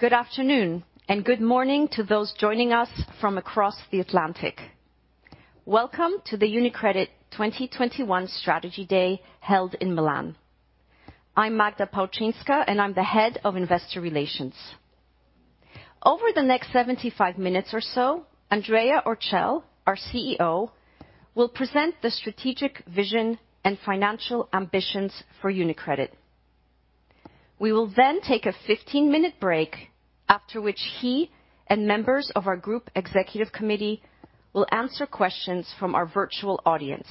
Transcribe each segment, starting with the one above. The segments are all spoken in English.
Good afternoon, and good morning to those joining us from across the Atlantic. Welcome to the UniCredit 2021 Strategy Day held in Milan. I'm Magda Płocińska, and I'm the Head of Investor Relations. Over the next 75 minutes or so, Andrea Orcel, our CEO, will present the strategic vision and financial ambitions for UniCredit. We will then take a 15-minute break, after which he and members of our group executive committee will answer questions from our virtual audience.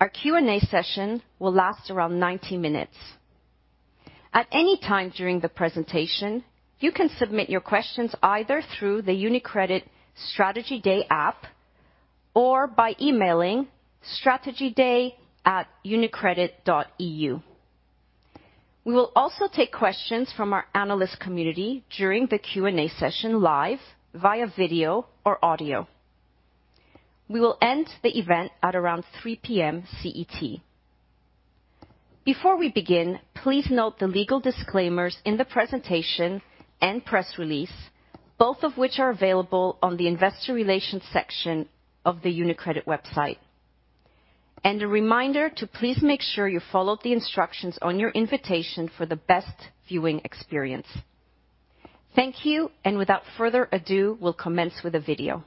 Our Q&A session will last around 90 minutes. At any time during the presentation, you can submit your questions either through the UniCredit Strategy Day app or by emailing strategyday@unicredit.eu. We will also take questions from our analyst community during the Q&A session live via video or audio. We will end the event at around 3:00 P.M. CET. Before we begin, please note the legal disclaimers in the presentation and press release, both of which are available on the investor relations section of the UniCredit website. A reminder to please make sure you follow the instructions on your invitation for the best viewing experience. Thank you, and without further ado, we'll commence with a video.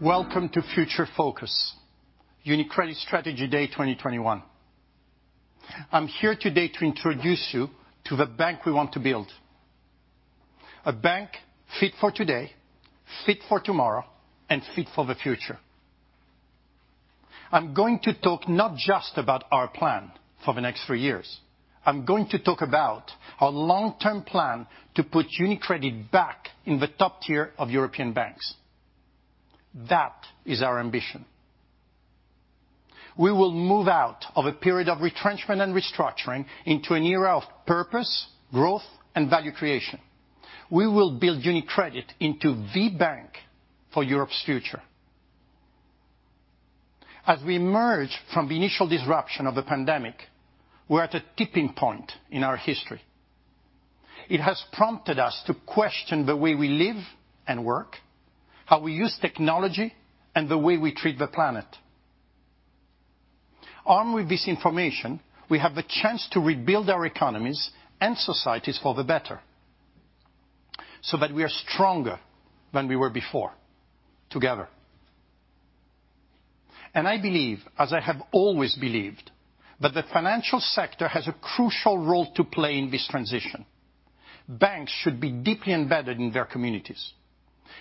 Welcome to Future Focus, UniCredit Strategy Day 2021. I'm here today to introduce you to the bank we want to build: a bank fit for today, fit for tomorrow, and fit for the future. I'm going to talk not just about our plan for the next three years, but also about our long-term plan to put UniCredit back in the top tier of European banks. That is our ambition. We will move out of a period of retrenchment and restructuring into an era of purpose, growth, and value creation. We will build UniCredit into the bank for Europe's future. As we emerge from the initial disruption of the pandemic, we're at a tipping point in our history. It has prompted us to question the way we live and work, how we use technology, and the way we treat the planet. Armed with this information, we have the chance to rebuild our economies and societies for the better so that we are stronger than we were before, together. I believe, as I have always believed, that the financial sector has a crucial role to play in this transition. Banks should be deeply embedded in their communities.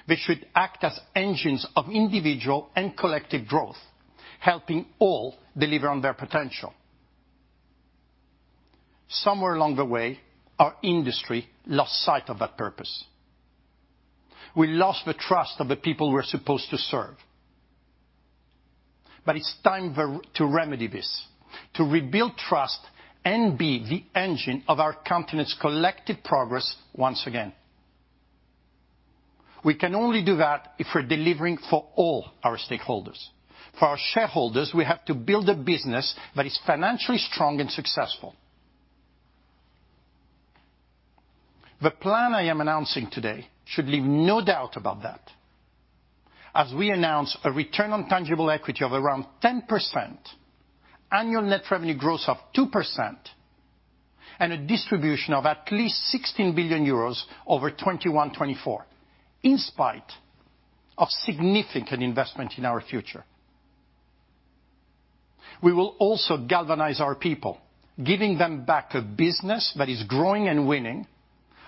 They should act as engines of individual and collective growth, helping all deliver on their potential. Somewhere along the way, our industry lost sight of that purpose. We lost the trust of the people we're supposed to serve. It's time to remedy this, to rebuild trust and be the engine of our continent's collective progress once again. We can only do that if we're delivering for all our stakeholders. For our shareholders, we have to build a business that is financially strong and successful. The plan I am announcing today should leave no doubt about that. We announce a return on tangible equity of around 10%, annual net revenue growth of 2%, and a distribution of at least 16 billion euros over 2021-2024, in spite of significant investment in our future. We will also galvanize our people, giving them back a business that is growing and winning,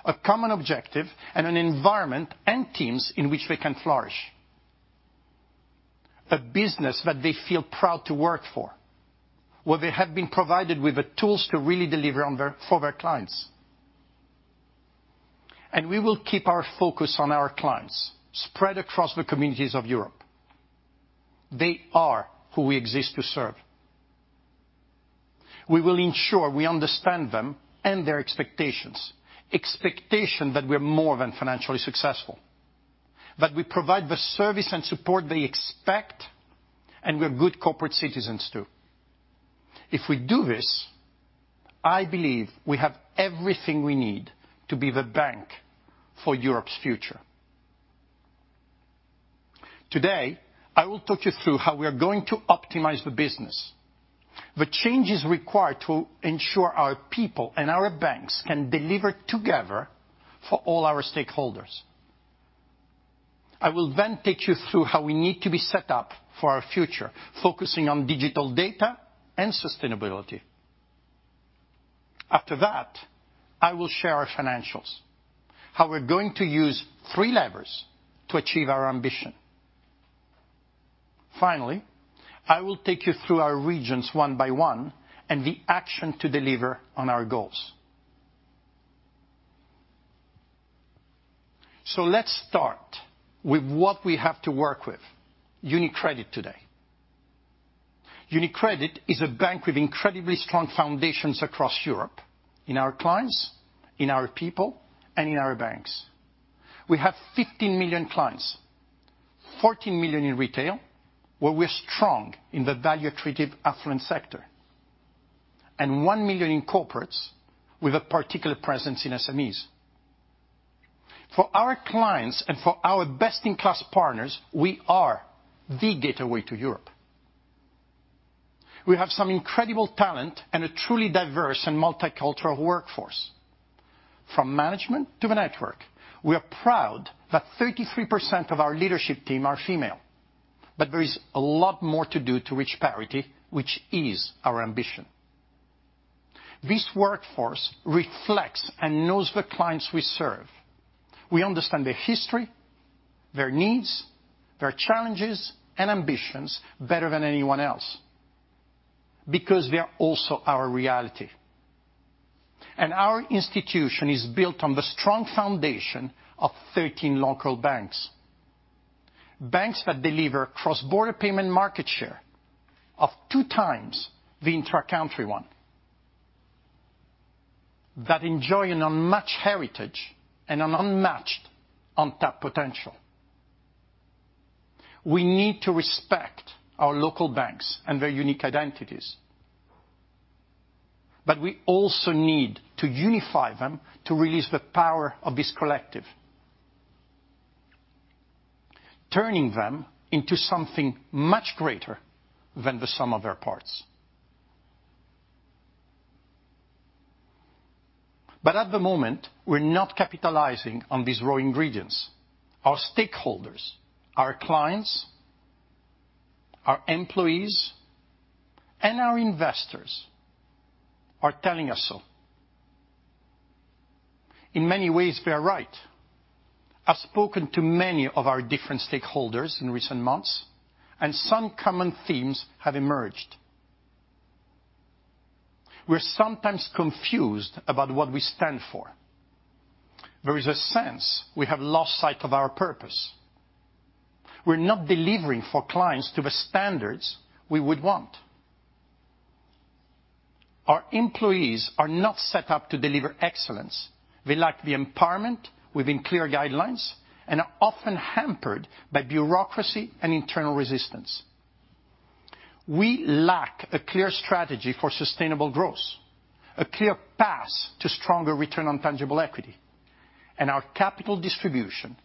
a common objective, and an environment and teams in which they can flourish; a business that they feel proud to work for, where they have been provided with the tools to really deliver for their clients. We will keep our focus on our clients spread across the communities of Europe. They are who we exist to serve. We will ensure we understand them and their expectations. Expectations are that we're more than financially successful, that we provide the service and support they expect, and that we're good corporate citizens, too. If we do this, I believe we have everything we need to be the bank for Europe's future. Today, I will talk you through how we are going to optimize the business and the changes required to ensure our people and our banks can deliver together for all our stakeholders. I will then take you through how we need to be set up for our future, focusing on digital data and sustainability. After that, I will share our financials and how we're going to use three levers to achieve our ambition. Finally, I will take you through our regions one by one and the actions to deliver on our goals. Let's start with what we have to work with: UniCredit today. UniCredit is a bank with incredibly strong foundations across Europe: in our clients, in our people, and in our banks. We have 15 million clients—14 million in retail, where we're strong in the value-accretive affluent sector, and 1 million in corporates with a particular presence in SMEs. For our clients and for our best-in-class partners, we are the gateway to Europe. We have incredible talent and a truly diverse and multicultural workforce. From management to the network, we are proud that 33% of our leadership team are female, but there is a lot more to do to reach parity, which is our ambition. This workforce reflects and knows the clients we serve. We understand their history, their needs, their challenges, and ambitions better than anyone else because they are also our reality. Our institution is built on the strong foundation of 13 local banks. Banks that deliver cross-border payment market share of two times the intra-country one enjoy an unmatched heritage and untapped potential. We need to respect our local banks and their unique identities, but we also need to unify them to unleash the power of this collective, turning them into something much greater than the sum of their parts. At the moment, we're not capitalizing on these raw ingredients. Our stakeholders, our clients, our employees, and our investors are telling us so. In many ways, they are right. I've spoken to many of our different stakeholders in recent months, and some common themes have emerged. We're sometimes confused about what we stand for. There is a sense we have lost sight of our purpose. We're not delivering for clients to the standards we would want. Our employees are not set up to deliver excellence. We lack empowerment within clear guidelines and are often hampered by bureaucracy and internal resistance. We lack a clear strategy for sustainable growth, a clear path to stronger return on tangible equity, and our capital distribution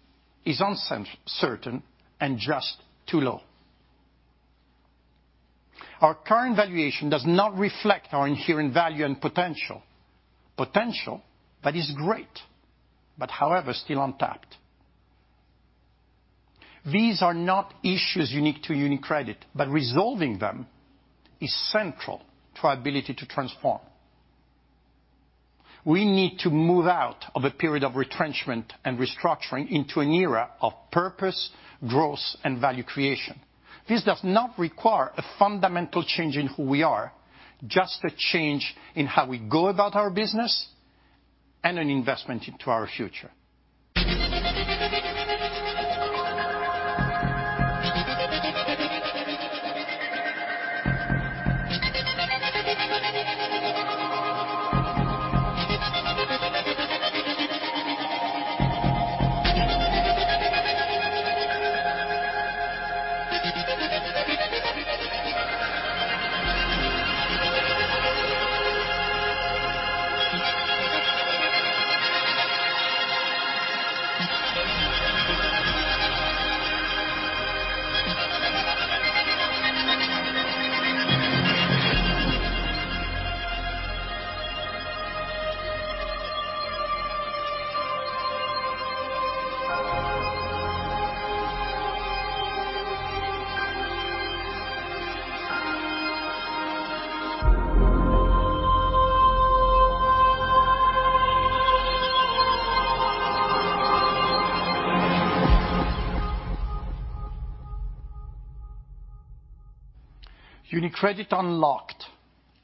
is uncertain and just too low. Our current valuation does not reflect our inherent value and potential—potential that is great, but still untapped. These are not issues unique to UniCredit, but resolving them is central to our ability to transform. We need to move out of a period of retrenchment and restructuring into an era of purpose, growth, and value creation. This does not require a fundamental change in who we are, just a change in how we go about our business and an investment in our future. UniCredit Unlocked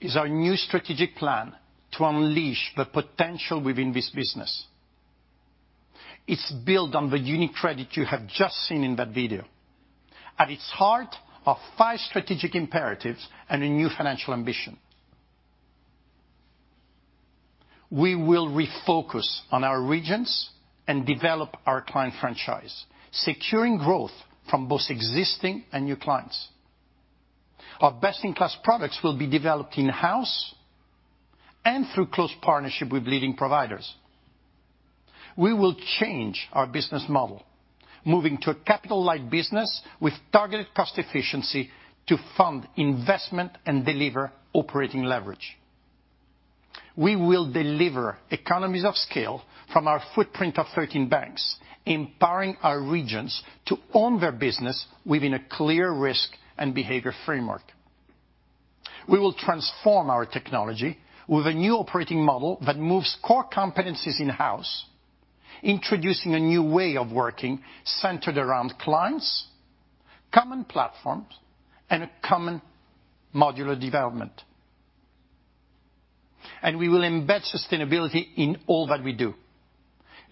is our new strategic plan to unleash the potential within this business. It's built on the UniCredit you have just seen in that video. At its heart are five strategic imperatives and a new financial ambition. We will refocus on our regions and develop our client franchise, securing growth from both existing and new clients. Our best-in-class products will be developed in-house and through close partnership with leading providers. We will change our business model, moving to a capital-light business with targeted cost efficiency to fund investment and deliver operating leverage. We will deliver economies of scale from our footprint of 13 banks, empowering our regions to own their business within a clear risk and behavior framework. We will transform our technology with a new operating model that moves core competencies in-house, introducing a new way of working centered around clients, common platforms, and modular development. We will embed sustainability in all that we do,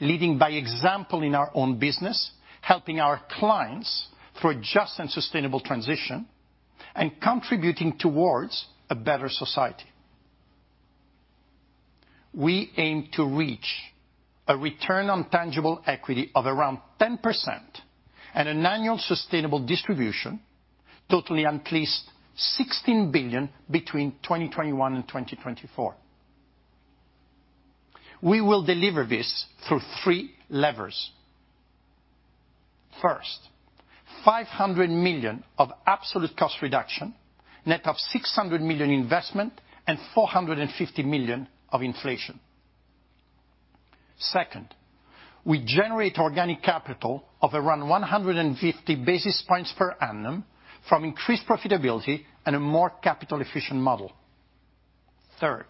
leading by example in our own business, helping our clients through a just and sustainable transition, and contributing toward a better society. We aim to reach a return on tangible equity of around 10% and an annual sustainable distribution totaling at least 16 billion between 2021 and 2024. We will deliver this through three levers. First, 500 million of absolute cost reduction, net of 600 million investment and 450 million of inflation. Second, we generate organic capital of around 150 basis points per annum from increased profitability and a more capital-efficient model. Third,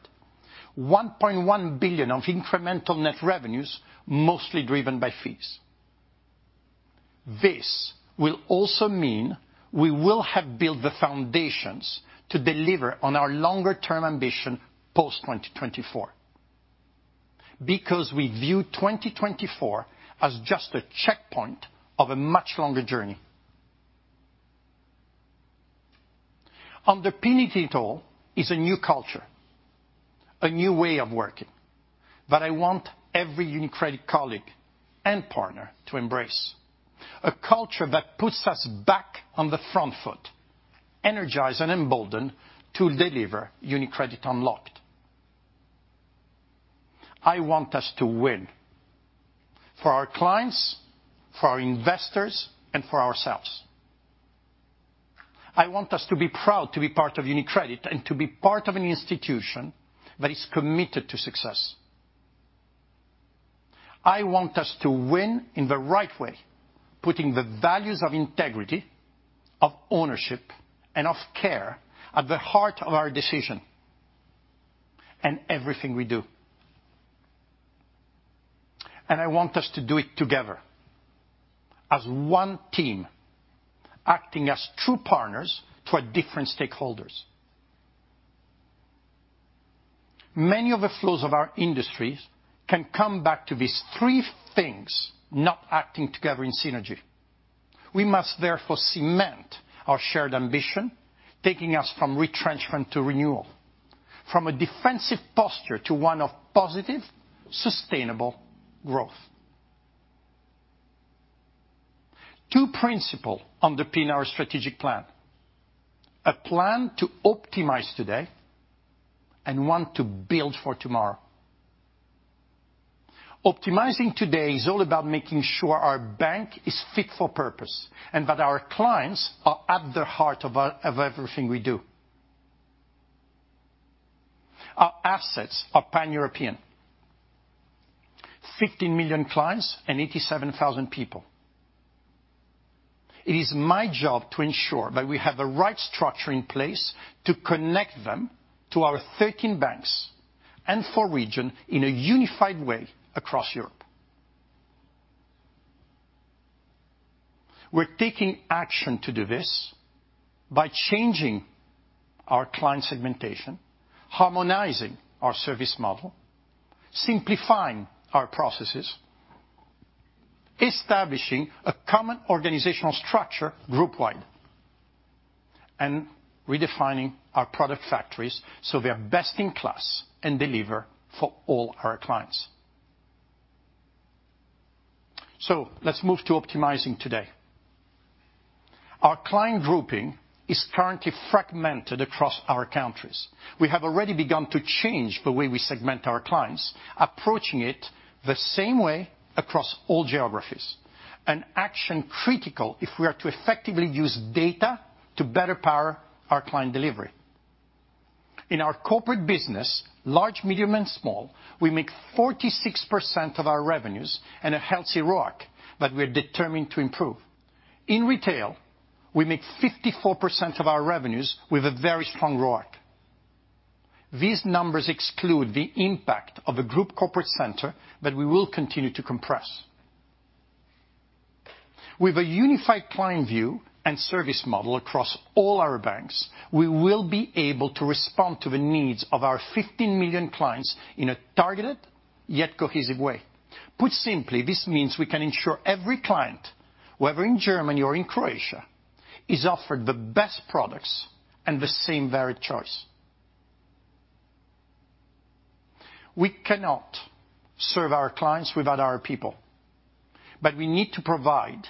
1.1 billion of incremental net revenues, mostly driven by fees. This will also mean we will have built the foundations to deliver on our longer-term ambition post-2024, because we view 2024 as just a checkpoint of a much longer journey. Underpinning it all is a new culture, a new way of working that I want every UniCredit colleague and partner to embrace. It's a culture that puts us back on the front foot, energized and emboldened to deliver UniCredit Unlocked. I want us to win for our clients, for our investors, and for ourselves. I want us to be proud to be part of UniCredit and to be part of an institution that is committed to success. I want us to win in the right way, putting the values of integrity, ownership, and care at the heart of our decisions and everything we do. I want us to do it together as one team, acting as true partners to our different stakeholders. Many of the flaws of our industries can come back to these three things not acting together in synergy. We must therefore cement our shared ambition, taking us from retrenchment to renewal, from a defensive posture to one of positive, sustainable growth. Two principles underpin our strategic plan: a plan to optimize today and one to build for tomorrow. Optimizing today is all about making sure our bank is fit for purpose and that our clients are at the heart of everything we do. Our assets are pan-European: 15 million clients and 87,000 people. It is my job to ensure that we have the right structure in place to connect them to our 13 banks and 4 regions in a unified way across Europe. We're taking action to do this by changing our client segmentation, harmonizing our service model, simplifying our processes, establishing a common organizational structure group-wide, and redefining our product factories so they're best in class and deliver for all our clients. Let's move to optimizing today. Our client grouping is currently fragmented across our countries. We have already begun to change the way we segment our clients, approaching it the same way across all geographies, an action critical if we are to effectively use data to better power our client delivery. In our corporate business, large, medium, and small, we make 46% of our revenues and a healthy ROIC that we're determined to improve. In retail, we make 54% of our revenues with a very strong ROIC. These numbers exclude the impact of the group corporate center that we will continue to compress. With a unified client view and service model across all our banks, we will be able to respond to the needs of our 15 million clients in a targeted, yet cohesive way. Put simply, this means we can ensure every client, whether in Germany or in Croatia, is offered the best products and the same varied choice. We cannot serve our clients without our people, but we need to provide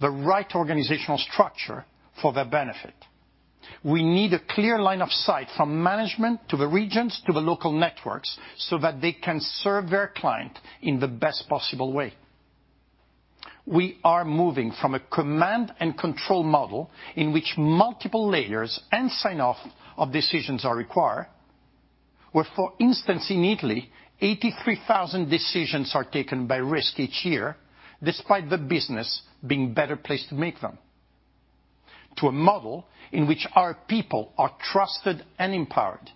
the right organizational structure for their benefit. We need a clear line of sight from management to the regions to the local networks, so that they can serve their clients in the best possible way. We are moving from a command and control model in which multiple layers and sign-off of decisions are required. Where, for instance, in Italy, 83,000 decisions are taken by Risk each year, despite the business being better placed to make them. To a model in which our people are trusted and empowered,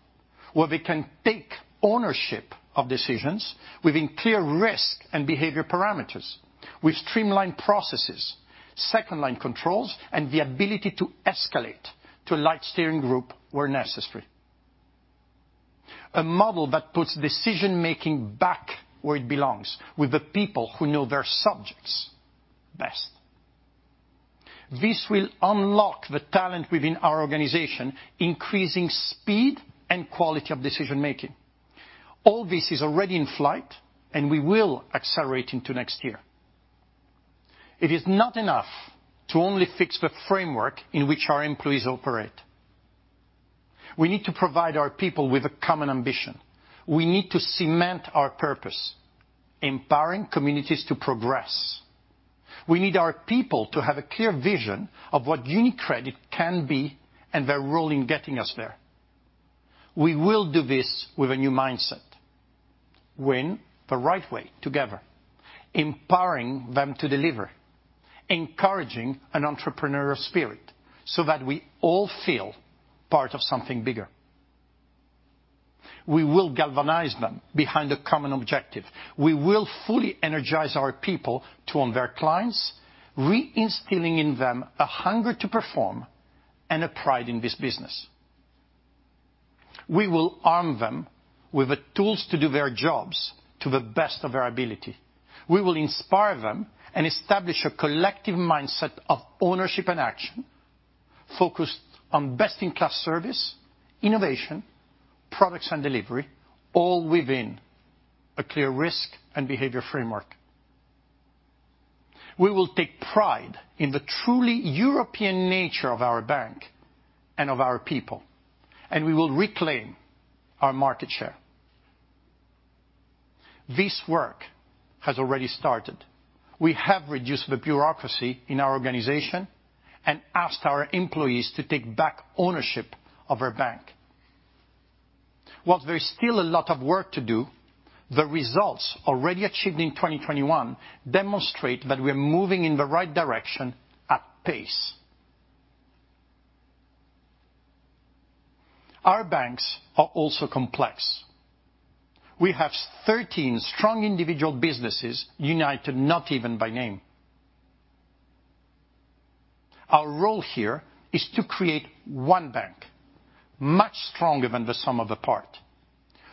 where they can take ownership of decisions within clear risk and behavior parameters, with streamlined processes, second-line controls, and the ability to escalate to a light steering group where necessary. A model that puts decision-making back where it belongs, with the people who know their subjects best. This will unlock the talent within our organization, increasing the speed and quality of decision-making. All this is already in flight, and we will accelerate into next year. It is not enough to only fix the framework in which our employees operate. We need to provide our people with a common ambition. We need to cement our purpose, empowering communities to progress. We need our people to have a clear vision of what UniCredit can be and their role in getting us there. We will do this with a new mindset: Win the right way together, empowering them to deliver, encouraging an entrepreneurial spirit, so that we all feel part of something bigger. We will galvanize them behind a common objective. We will fully energize our people to own their clients, reinstilling in them a hunger to perform and a pride in this business. We will arm them with the tools to do their jobs to the best of their ability. We will inspire them and establish a collective mindset of ownership and action, focused on best-in-class service, innovation, products, and delivery, all within a clear risk and behavior framework. We will take pride in the truly European nature of our bank and our people, and we will reclaim our market share. This work has already started. We have reduced the bureaucracy in our organization and asked our employees to take back ownership of our bank. While there is still a lot of work to do, the results already achieved in 2021 demonstrate that we're moving in the right direction at pace. Our banks are also complex. We have 13 strong individual businesses, not even united by name. Our role here is to create one bank, much stronger than the sum of its parts.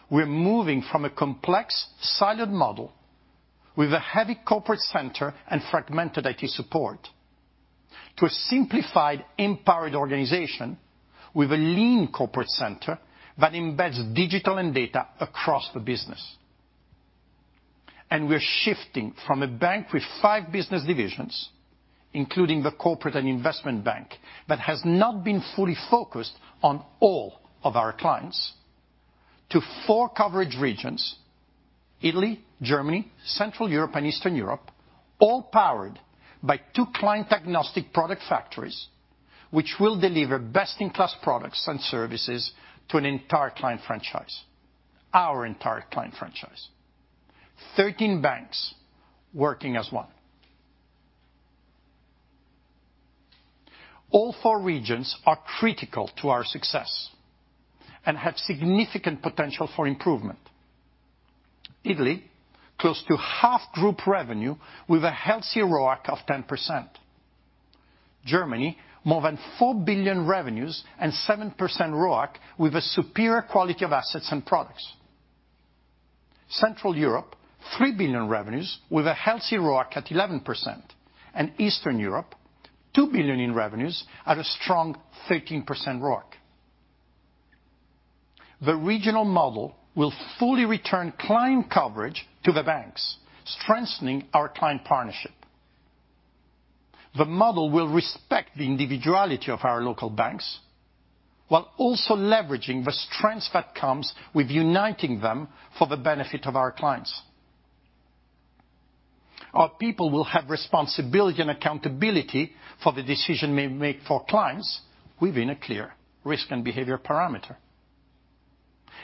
We're moving from a complex, siloed model with a heavy corporate center and fragmented IT support to a simplified, empowered organization with a lean corporate center that embeds digital and data across the business. We're shifting from a bank with five business divisions, including the corporate and investment bank, that has not been fully focused on all of our clients, to four coverage regions: Italy, Germany, Central Europe, and Eastern Europe. All are powered by two client-agnostic product factories, which will deliver best-in-class products and services to our entire client franchise. Thirteen banks working as one. All four regions are critical to our success and have significant potential for improvement. Italy generates close to half of the group's revenue with a healthy ROIC of 10%. Germany generates more than 4 billion in revenues and has a 7% ROIC with superior quality assets and products. Central Europe generates 3 billion in revenues with a healthy ROIC at 11%. Eastern Europe generates 2 billion in revenues at a strong 13% ROIC. The regional model will fully return client coverage to the banks, strengthening our client partnership. The model will respect the individuality of our local banks while also leveraging the strength that comes with uniting them for the benefit of our clients. Our people will have responsibility and accountability for the decisions they make for clients within clear risk and behavior parameters.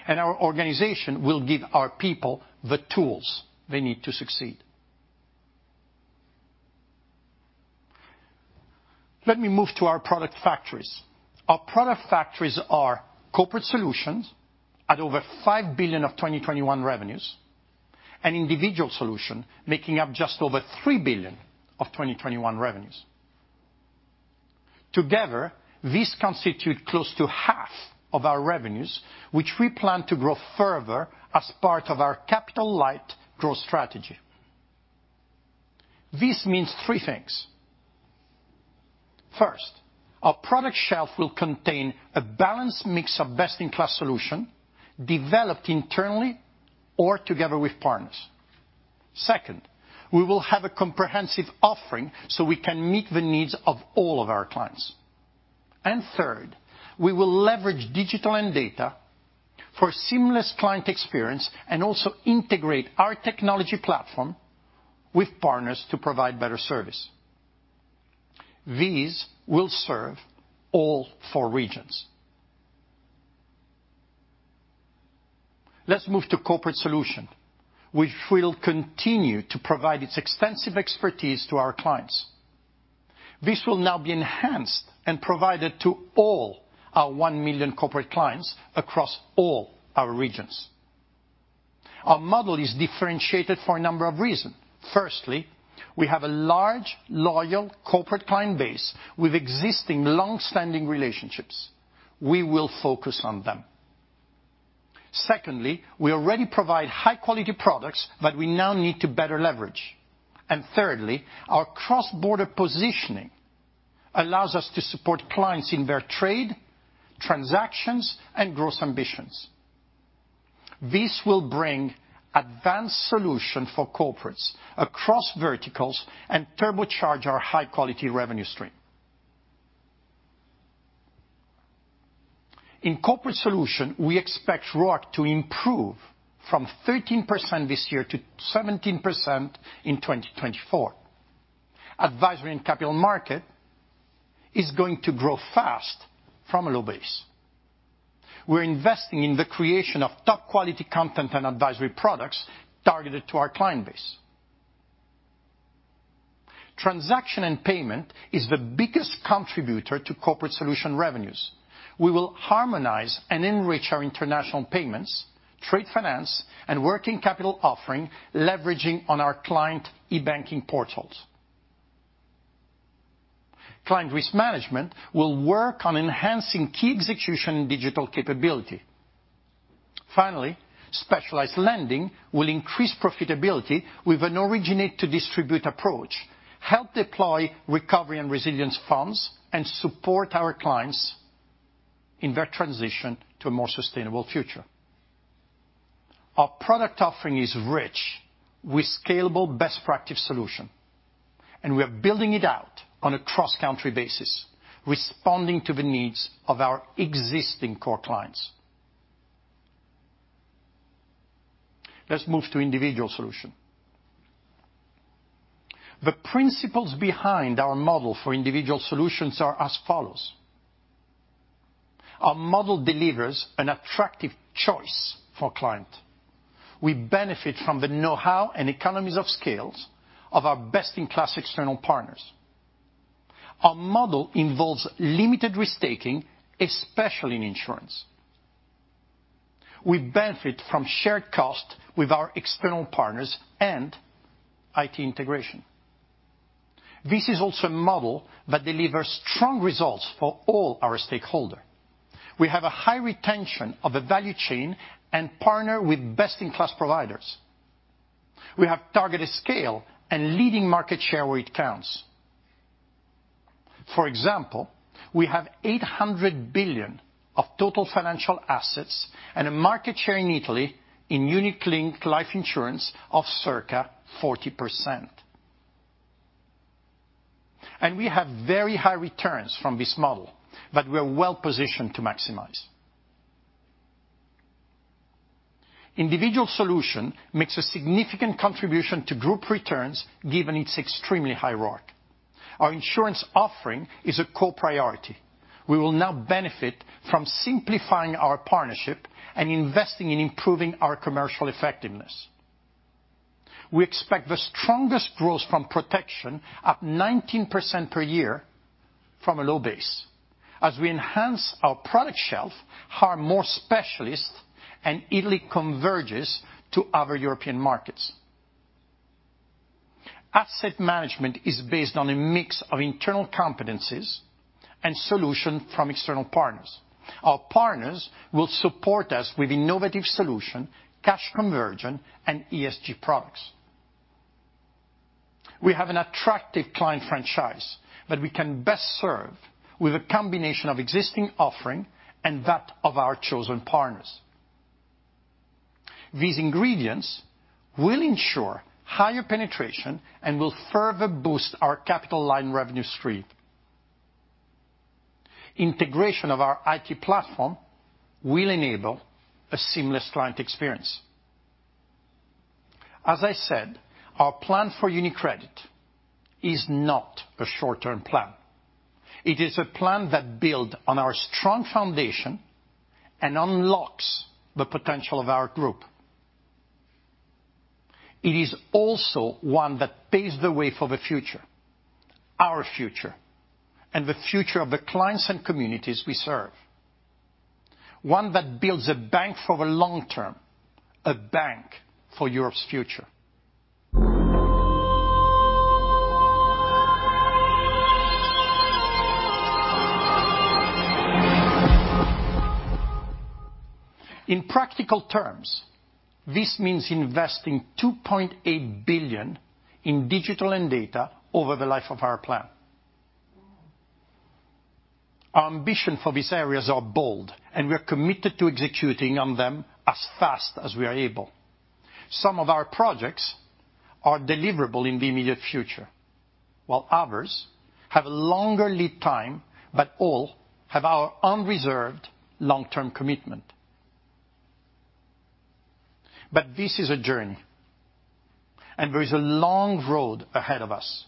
Our organization will give our people the tools they need to succeed. Let me move to our product factories. Our product factories are corporate solutions at over 5 billion of 2021 revenues and individual solutions making up just over 3 billion of 2021 revenues. Together, these constitute close to half of our revenues, which we plan to grow further as part of our capital-light growth strategy. This means three things. First, our product shelf will contain a balanced mix of best-in-class solutions developed internally or together with partners. Second, we will have a comprehensive offering so we can meet the needs of all of our clients. Third, we will leverage digital and data for a seamless client experience and also integrate our technology platform with partners to provide better service. These will serve all four regions. Let's move to corporate solutions, which will continue to provide its extensive expertise to our clients. This will now be enhanced and provided to all our 1 million corporate clients across all our regions. Our model is differentiated for a number of reasons. Firstly, we have a large, loyal corporate client base with existing long-standing relationships. We will focus on them. Secondly, we already provide high-quality products that we now need to better leverage. Thirdly, our cross-border positioning allows us to support clients in their trade, transactions, and growth ambitions. This will bring advanced solutions for corporates across verticals and turbocharge our high-quality revenue stream. In corporate solutions, we expect ROIC to improve from 13% this year to 17% in 2024. Advisory and capital markets are going to grow fast from a low base. We're investing in the creation of top-quality content and advisory products targeted to our client base. Transaction and payment is the biggest contributor to corporate solution revenues. We will harmonize and enrich our international payments, trade finance, and working capital offerings, leveraging our client e-banking portals. Client risk management will work on enhancing key execution digital capabilities. Finally, specialized lending will increase profitability with an originate-to-distribute approach, help deploy Recovery and Resilience funds, and support our clients in their transition to a more sustainable future. Our product offering is rich with scalable best-practice solutions, and we are building it out on a cross-country basis, responding to the needs of our existing core clients. Let's move to individual solutions. The principles behind our model for individual solutions are as follows. Our model delivers an attractive choice for clients. We benefit from the know-how and economies of scale of our best-in-class external partners. Our model involves limited risk-taking, especially in insurance. We benefit from shared costs with our external partners and IT integration. This is also a model that delivers strong results for all our stakeholders. We have a high retention of the value chain and partner with best-in-class providers. We have targeted scale and leading market share where it counts. For example, we have 800 billion of total financial assets and a market share in Italy in unit-linked life insurance of circa 40%. We have very high returns from this model that we're well-positioned to maximize. Individual solutions make a significant contribution to group returns given their extremely high ROIC. Our insurance offering is a core priority. We will now benefit from simplifying our partnership and investing in improving our commercial effectiveness. We expect the strongest growth from protection, up 19% per year from a low base as we enhance our product shelf, hire more specialists, and Italy converges with other European markets. Asset management is based on a mix of internal competencies and solutions from external partners. Our partners will support us with innovative solutions, cash conversion, and ESG products. We have an attractive client franchise that we can best serve with a combination of existing offerings and those of our chosen partners. These ingredients will ensure higher penetration and will further boost our capital line revenue stream. Integration of our IT platform will enable a seamless client experience. As I said, our plan for UniCredit is not a short-term plan. It is a plan that builds on our strong foundation and unlocks the potential of our group. It is also one that paves the way for the future, our future, and the future of the clients and communities we serve. One that builds a bank for the long term, a bank for Europe's future. In practical terms, this means investing 2.8 billion in digital and data over the life of our plan. Our ambition for these areas is bold, and we're committed to executing on them as fast as we are able. Some of our projects are deliverable in the immediate future, while others have a longer lead time, but all have our unreserved long-term commitment. This is a journey, and there is a long road ahead of us.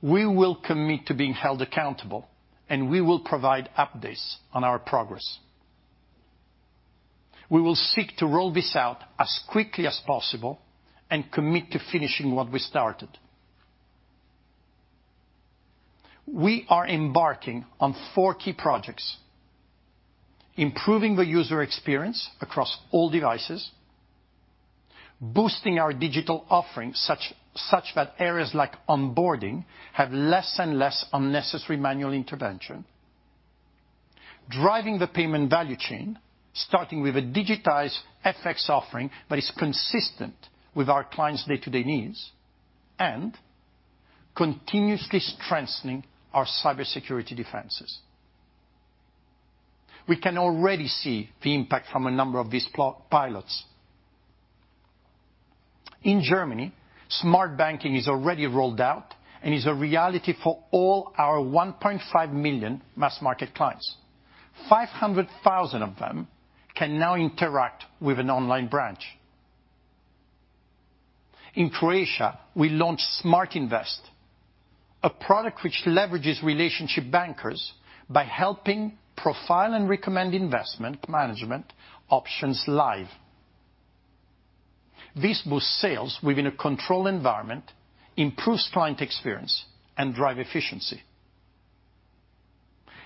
We will commit to being held accountable, and we will provide updates on our progress. We will seek to roll this out as quickly as possible and commit to finishing what we started. We are embarking on four key projects: improving the user experience across all devices; boosting our digital offerings such that areas like onboarding have less and less unnecessary manual intervention; driving the payment value chain, starting with a digitized FX offering that is consistent with our clients' day-to-day needs; and continuously strengthening our cybersecurity defenses. We can already see the impact from a number of these pilot projects. In Germany, Smart Banking is already rolled out and is a reality for all our 1.5 million mass market clients. 500,000 of them can now interact with an online branch. In Croatia, we launched Smart Invest, a product which leverages relationship bankers by helping profile and recommend investment management options live. This boosts sales within a controlled environment, improves client experience, and drives efficiency.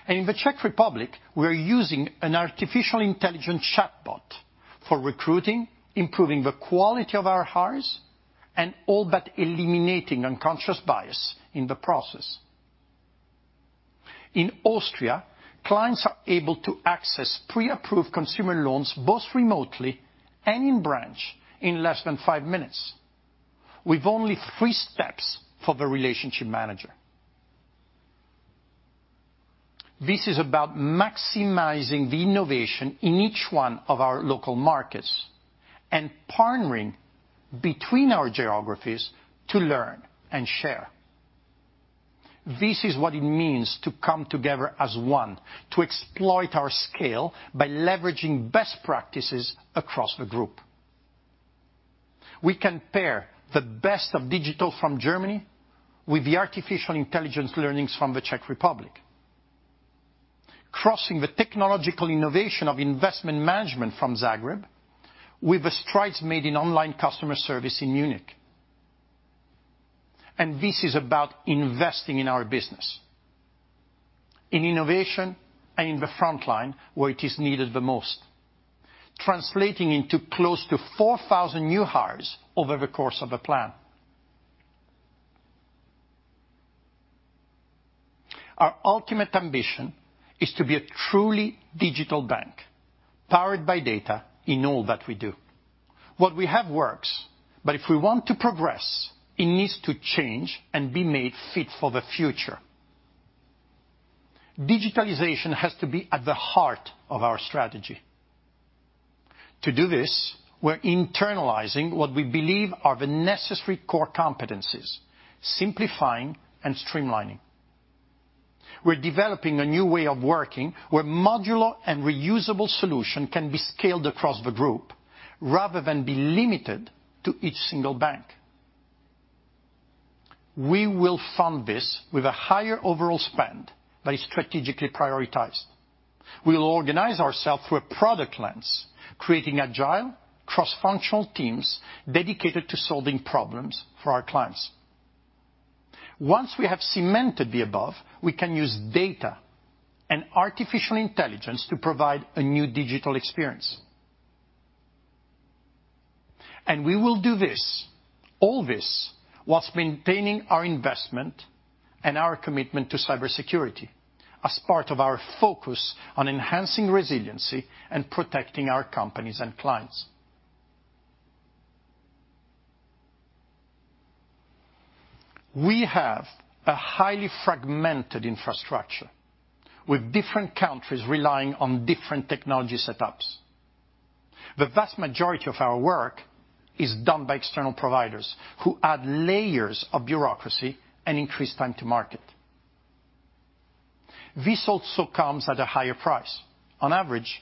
In the Czech Republic, we're using an artificial intelligence chatbot for recruiting, improving the quality of our hires, and all but eliminating unconscious bias in the process. In Austria, clients are able to access pre-approved consumer loans, both remotely and in branch, in less than five minutes with only three steps for the relationship manager. This is about maximizing innovation in each of our local markets and partnering between our geographies to learn and share. This is what it means to come together as one to exploit our scale by leveraging best practices across the group. We compare the best of digital from Germany with the artificial intelligence learnings from the Czech Republic, crossing the technological innovation of investment management from Zagreb with the strides made in online customer service in Munich. This is about investing in our business, in innovation, and in the front line where it is needed most, translating into close to 4,000 new hires over the course of the plan. Our ultimate ambition is to be a truly digital bank powered by data in all that we do. What we have works, but if we want to progress, it needs to change and be made fit for the future. Digitalization has to be at the heart of our strategy. To do this, we're internalizing what we believe are the necessary core competencies, simplifying and streamlining. We're developing a new way of working where modular and reusable solutions can be scaled across the group rather than be limited to each single bank. We will fund this with a higher overall spend that is strategically prioritized. We'll organize ourselves through a product lens, creating agile, cross-functional teams dedicated to solving problems for our clients. Once we have cemented the above, we can use data and artificial intelligence to provide a new digital experience. We will do all this while maintaining our investment in and commitment to cybersecurity as part of our focus on enhancing resiliency and protecting our companies and clients. We have a highly fragmented infrastructure, with different countries relying on different technology setups. The vast majority of our work is done by external providers who add layers of bureaucracy and increase time to market. This also comes at a higher price, on average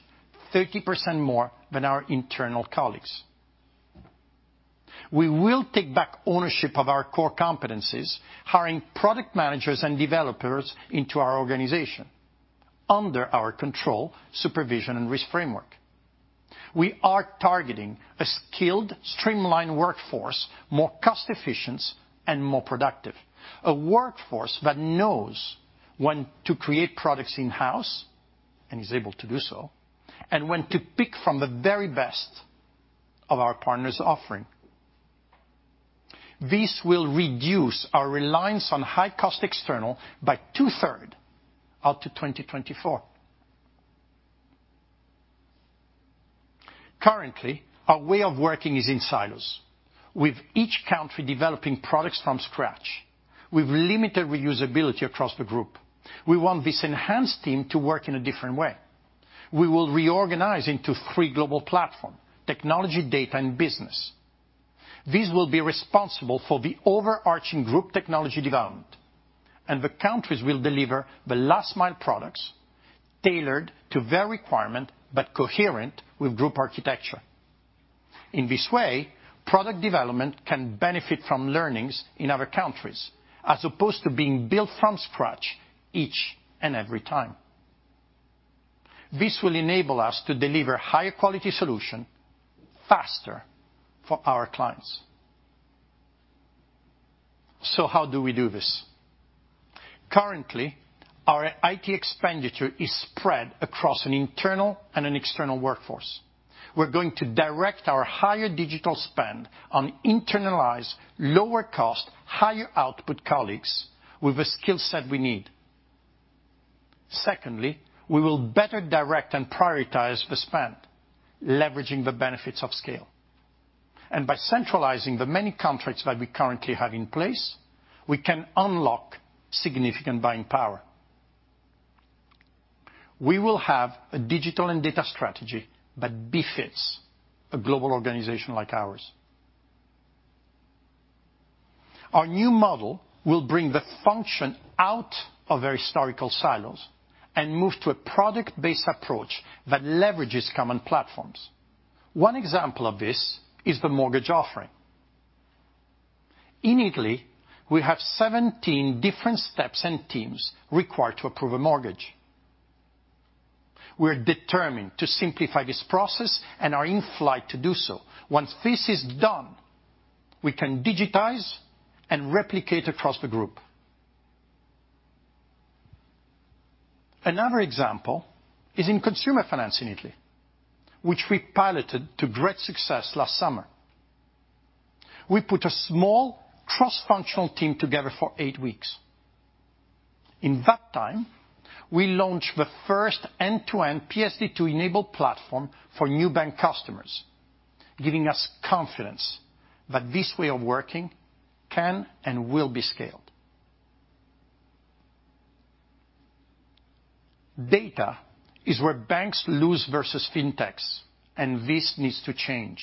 30% more than our internal colleagues. We will take back ownership of our core competencies, hiring product managers and developers into our organization under our control, supervision, and risk framework. We are targeting a skilled, streamlined workforce that is more cost-efficient and more productive—a workforce that knows when to create products in-house and is able to do so, and when to pick from the very best of our partners' offerings. This will reduce our reliance on high-cost external funding by two-thirds up to 2024. Currently, our way of working is in silos, with each country developing products from scratch, with limited reusability across the group. We want this enhanced team to work differently. We will reorganize into three global platforms: technology, data, and business. These will be responsible for the overarching group technology development, and the countries will deliver the last-mile products tailored to their requirements, but coherent with group architecture. In this way, product development can benefit from learnings in other countries, as opposed to being built from scratch each and every time. This will enable us to deliver higher-quality solutions faster for our clients. How do we do this? Currently, our IT expenditure is spread across an internal and external workforce. We're going to direct our higher digital spend toward internalized, lower-cost, higher-output colleagues with the skill set we need. Secondly, we will better direct and prioritize the spend, leveraging the benefits of scale. By centralizing the many contracts that we currently have in place, we can unlock significant buying power. We will have a digital and data strategy that befits a global organization like ours. Our new model will bring the function out of its historical silos and move to a product-based approach that leverages common platforms. One example of this is the mortgage offering. In Italy, we have 17 different steps and teams required to approve a mortgage. We're determined to simplify this process and are in flight to do so. Once this is done, we can digitize and replicate it across the group. Another example is in consumer finance in Italy, which we piloted to great success last summer. We put a small cross-functional team together for eight weeks. In that time, we launched the first end-to-end PSD2-enabled platform for new bank customers, giving us confidence that this way of working can and will be scaled. Data is where banks lose versus fintechs, and this needs to change.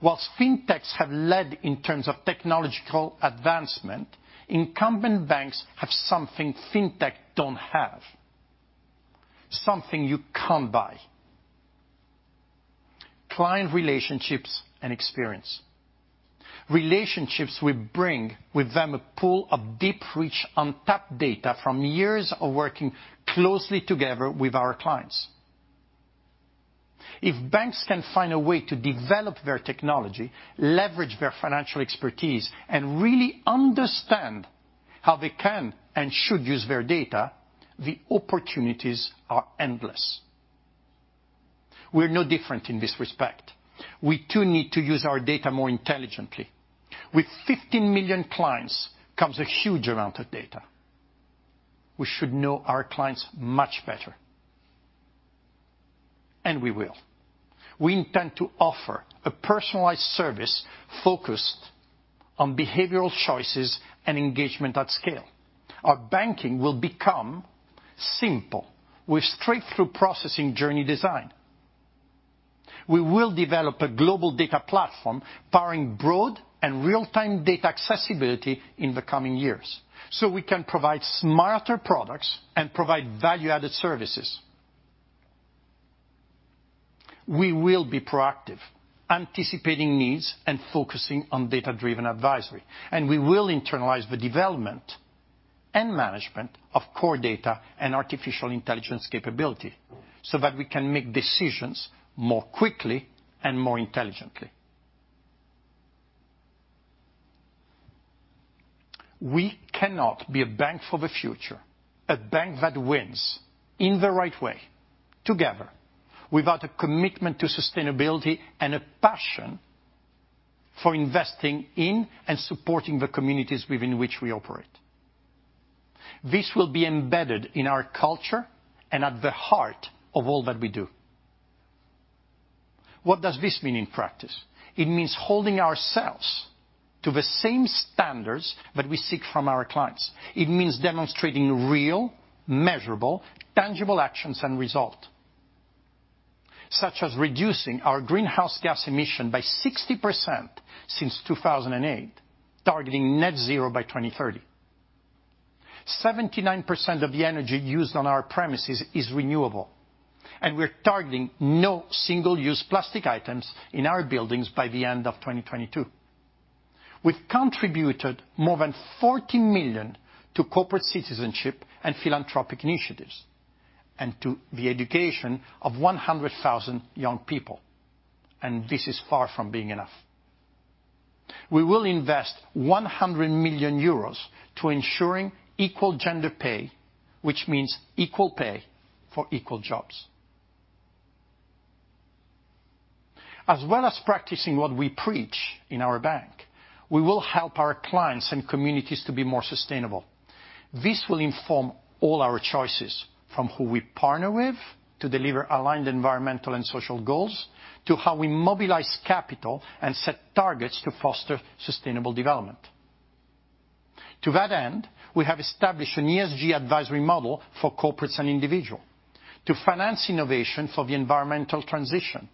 While fintechs have led in terms of technological advancement, incumbent banks have something fintechs don't have, something you can't buy: client relationships and experience. Relationships will bring with them a pool of deep, rich, untapped data from years of working closely together with our clients. If banks can find a way to develop their technology, leverage their financial expertise, and really understand how they can and should use their data, the opportunities are endless. We're no different in this respect. We, too, need to use our data more intelligently. With 50 million clients comes a huge amount of data. We should know our clients much better, and we will. We intend to offer a personalized service focused on behavioral choices and engagement at scale. Our banking will become simple with straight-through processing journey design. We will develop a global data platform powering broad and real-time data accessibility in the coming years, so we can provide smarter products and value-added services. We will be proactive, anticipating needs and focusing on data-driven advisory, and we will internalize the development and management of core data and artificial intelligence capability, so that we can make decisions more quickly and more intelligently. We cannot be a bank for the future, a bank that wins in the right way, together, without a commitment to sustainability and a passion for investing in and supporting the communities within which we operate. This will be embedded in our culture and at the heart of all that we do. What does this mean in practice? It means holding ourselves to the same standards that we seek from our clients. It means demonstrating real, measurable, tangible actions and results, such as reducing our greenhouse gas emissions by 60% since 2008, targeting net zero by 2030. 79% of the energy used on our premises is renewable, and we're targeting no single-use plastic items in our buildings by the end of 2022. We've contributed more than 40 million to corporate citizenship and philanthropic initiatives and to the education of 100,000 young people, and this is far from being enough. We will invest 100 million euros in ensuring equal gender pay, which means equal pay for equal jobs. As well as practicing what we preach in our bank, we will help our clients and communities be more sustainable. This will inform all our choices, from who we partner with to deliver aligned environmental and social goals to how we mobilize capital and set targets to foster sustainable development. To that end, we have established an ESG advisory model for corporates and individuals to finance innovation for the environmental transition,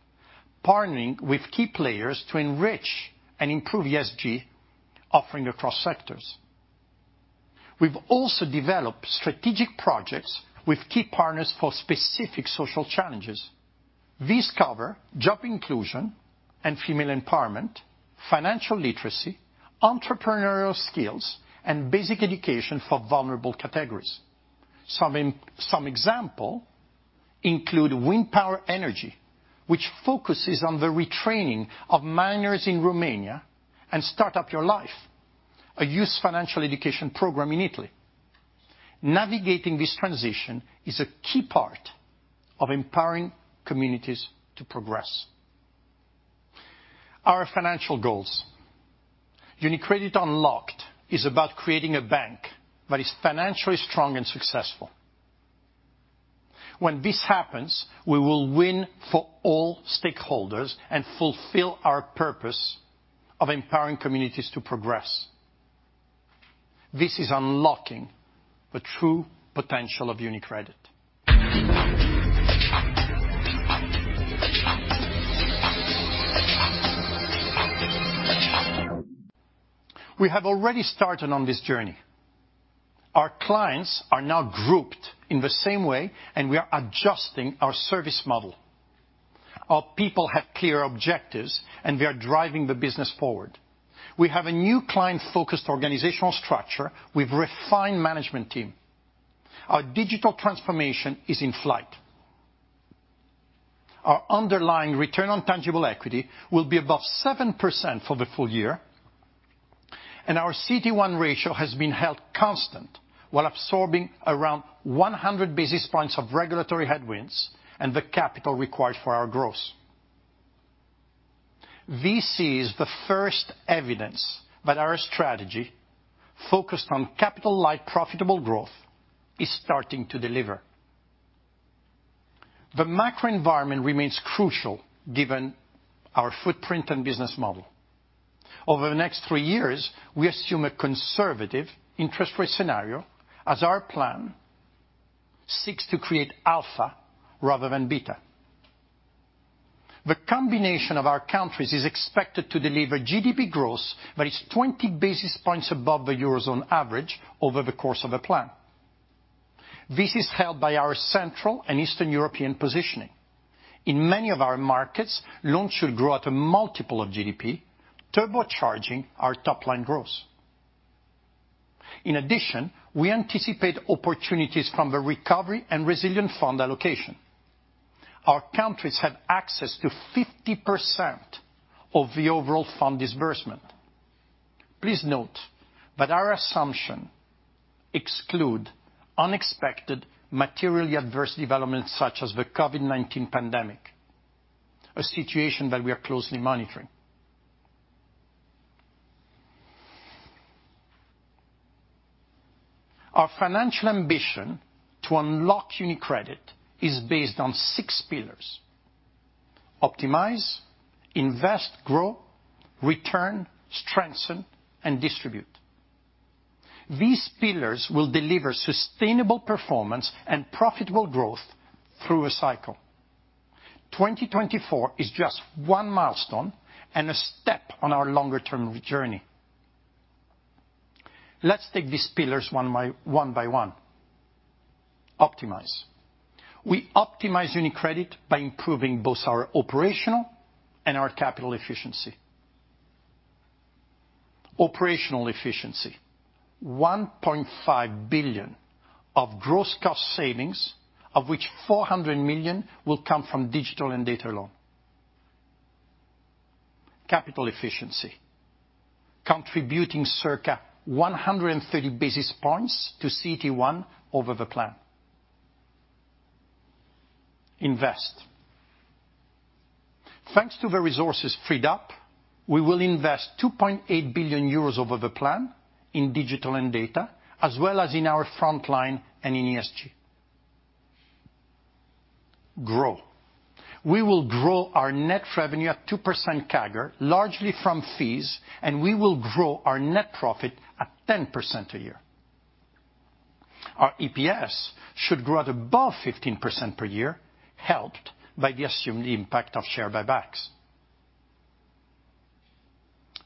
partnering with key players to enrich and improve ESG offerings across sectors. We've also developed strategic projects with key partners for specific social challenges. These cover job inclusion and female empowerment, financial literacy, entrepreneurial skills, and basic education for vulnerable categories. Some examples include Wind Power Energy, which focuses on the retraining of miners in Romania, and Start Up Your Life, a youth financial education program in Italy. Navigating this transition is a key part of empowering communities to progress. Our financial goals: UniCredit Unlocked is about creating a bank that is financially strong and successful. When this happens, we will win for all stakeholders and fulfill our purpose of empowering communities to progress. This is unlocking the true potential of UniCredit. We have already started on this journey. Our clients are now grouped in the same way, and we are adjusting our service model. Our people have clear objectives, and we are driving the business forward. We have a new client-focused organizational structure with a refined management team. Our digital transformation is in flight. Our underlying return on tangible equity will be above 7% for the full year, and our CET1 ratio has been held constant while absorbing around 100 basis points of regulatory headwinds and the capital required for our growth. This is the first evidence that our strategy focused on capital-light profitable growth is starting to deliver. The macro environment remains crucial given our footprint and business model. Over the next three years, we assume a conservative interest rate scenario as our plan seeks to create alpha rather than beta. The combination of our countries is expected to deliver GDP growth that is 20 basis points above the Eurozone average over the course of the plan. This is helped by our Central and Eastern European positioning. In many of our markets, loans should grow at a multiple of GDP, turbocharging our top-line growth. In addition, we anticipate opportunities from the Recovery and Resilience Facility allocation. Our countries have access to 50% of the overall fund disbursement. Please note that our assumptions exclude unexpected materially adverse developments such as the COVID-19 pandemic, a situation that we are closely monitoring. Our financial ambition to unlock UniCredit is based on 6 pillars: optimize, invest, grow, return, strengthen, and distribute. These pillars will deliver sustainable performance and profitable growth through a cycle. 2024 is just one milestone and a step on our longer-term journey. Let's take these pillars one by one. Optimize. We optimize UniCredit by improving both our operational and capital efficiency. Operational efficiency: 1.5 billion of gross cost savings, of which 400 million will come from digital and data alone. Capital efficiency: Contributing circa 130 basis points to CET1 over the plan. Invest. Thanks to the resources freed up, we will invest 2.8 billion euros over the plan in digital and data, as well as in our frontline and in ESG. Grow. We will grow our net revenue at 2% CAGR, largely from fees, and we will grow our net profit at 10% a year. Our EPS should grow at above 15% per year, helped by the assumed impact of share buybacks.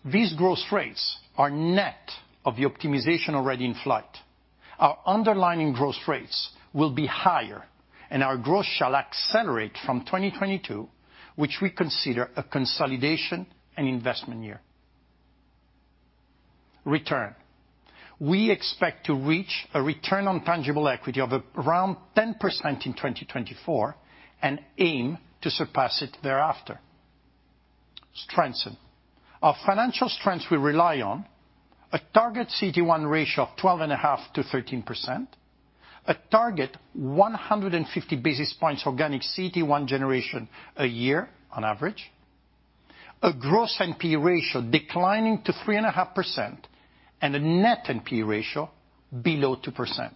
These growth rates are net of the optimization already in flight. Our underlying growth rates will be higher, and our growth shall accelerate from 2022, which we consider a consolidation and investment year. Return: We expect to reach a return on tangible equity of around 10% in 2024 and aim to surpass it thereafter. Strengthen: Our financial strength will rely on a target CET1 ratio of 12.5%-13%, a target 150 basis points organic CET1 generation a year on average, a gross NPE ratio declining to 3.5%, and a net NPE ratio below 2%.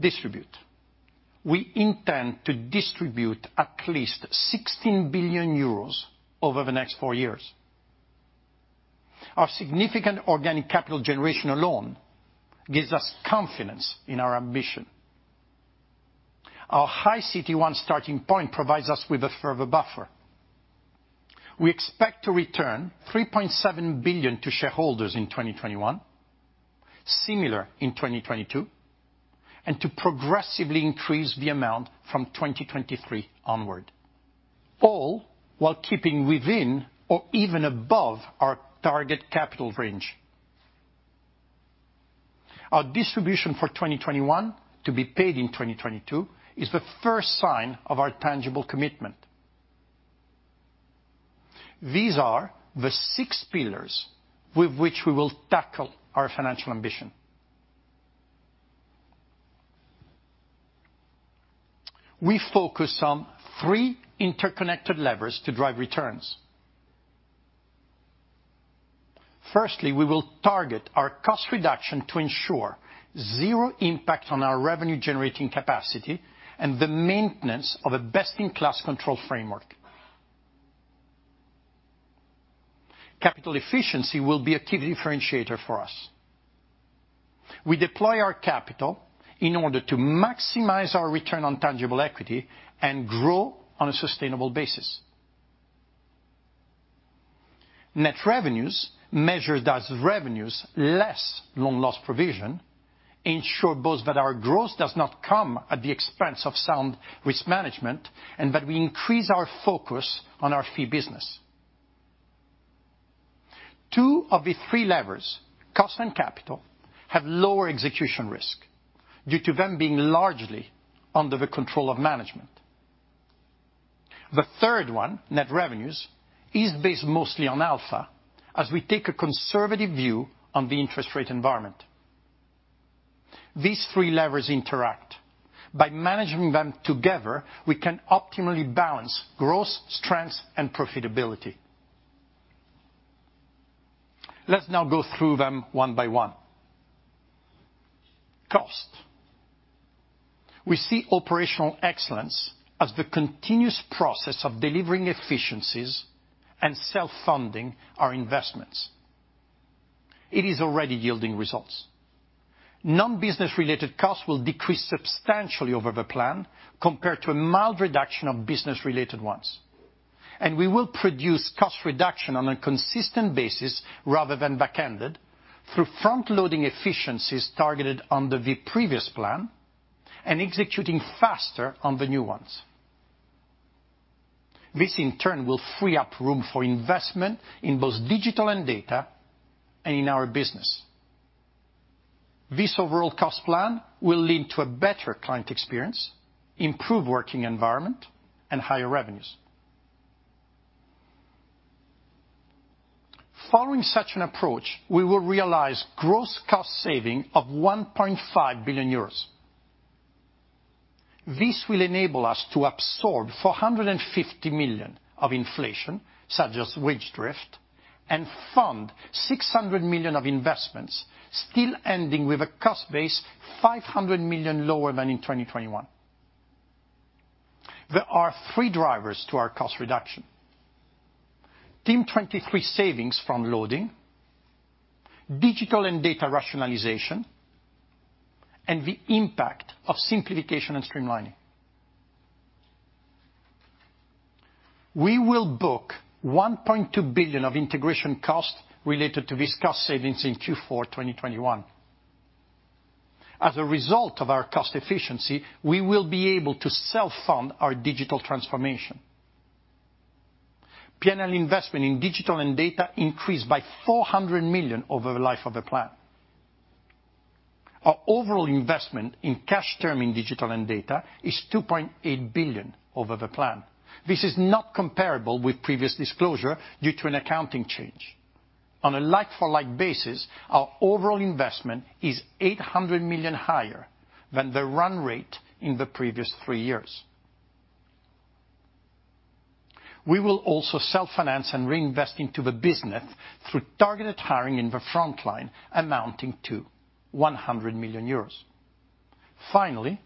Distribute: We intend to distribute at least 16 billion euros over the next four years. Our significant organic capital generation alone gives us confidence in our ambition. Our high CET1 starting point provides us with a further buffer. We expect to return 3.7 billion to shareholders in 2021, a similar amount in 2022, and to progressively increase the amount from 2023 onward, all while keeping within or even above our target capital range. Our distribution for 2021, to be paid in 2022, is the first sign of our tangible commitment. These are the six pillars with which we will tackle our financial ambition. We focus on three interconnected levers to drive returns. Firstly, we will target our cost reduction to ensure zero impact on our revenue-generating capacity and the maintenance of a best-in-class control framework. Capital efficiency will be a key differentiator for us. We deploy our capital in order to maximize our return on tangible equity and grow on a sustainable basis. Net revenues, measured as revenues less loan loss provision, ensure both that our growth does not come at the expense of sound risk management and that we increase our focus on our fee business. Two of the three levers, cost and capital, have lower execution risk due to them being largely under the control of management. The third one, net revenues, is based mostly on alpha, as we take a conservative view on the interest rate environment. These three levers interact. By managing them together, we can optimally balance growth, strengths, and profitability. Let's now go through them one by one. Cost: We see operational excellence as the continuous process of delivering efficiencies and self-funding our investments. It is already yielding results. Non-business-related costs will decrease substantially over the plan compared to a mild reduction of business-related ones. We will produce cost reductions on a consistent basis rather than back-ended, through front-loading efficiencies targeted under the previous plan and executing faster on the new ones. This, in turn, will free up room for investment in both digital and data, and in our business. This overall cost plan will lead to a better client experience, an improved working environment, and higher revenues. Following such an approach, we will realize gross cost savings of 1.5 billion euros. This will enable us to absorb 450 million of inflation, such as wage drift, and fund 600 million of investments, still ending with a cost base 500 million lower than in 2021. There are three drivers to our cost reduction: Team 23 savings from front-loading, digital and data rationalization, and the impact of simplification and streamlining. We will book 1.2 billion of integration costs related to these cost savings in Q4 2021. As a result of our cost efficiency, we will be able to self-fund our digital transformation. P&L investment in digital and data increased by 400 million over the life of the plan. Our overall investment in cash terms in digital and data is 2.8 billion over the plan. This is not comparable with previous disclosure due to an accounting change. On a like-for-like basis, our overall investment is 800 million higher than the run rate in the previous three years. We will also self-finance and reinvest into the business through targeted hiring in the front line amounting to 100 million euros. Finally,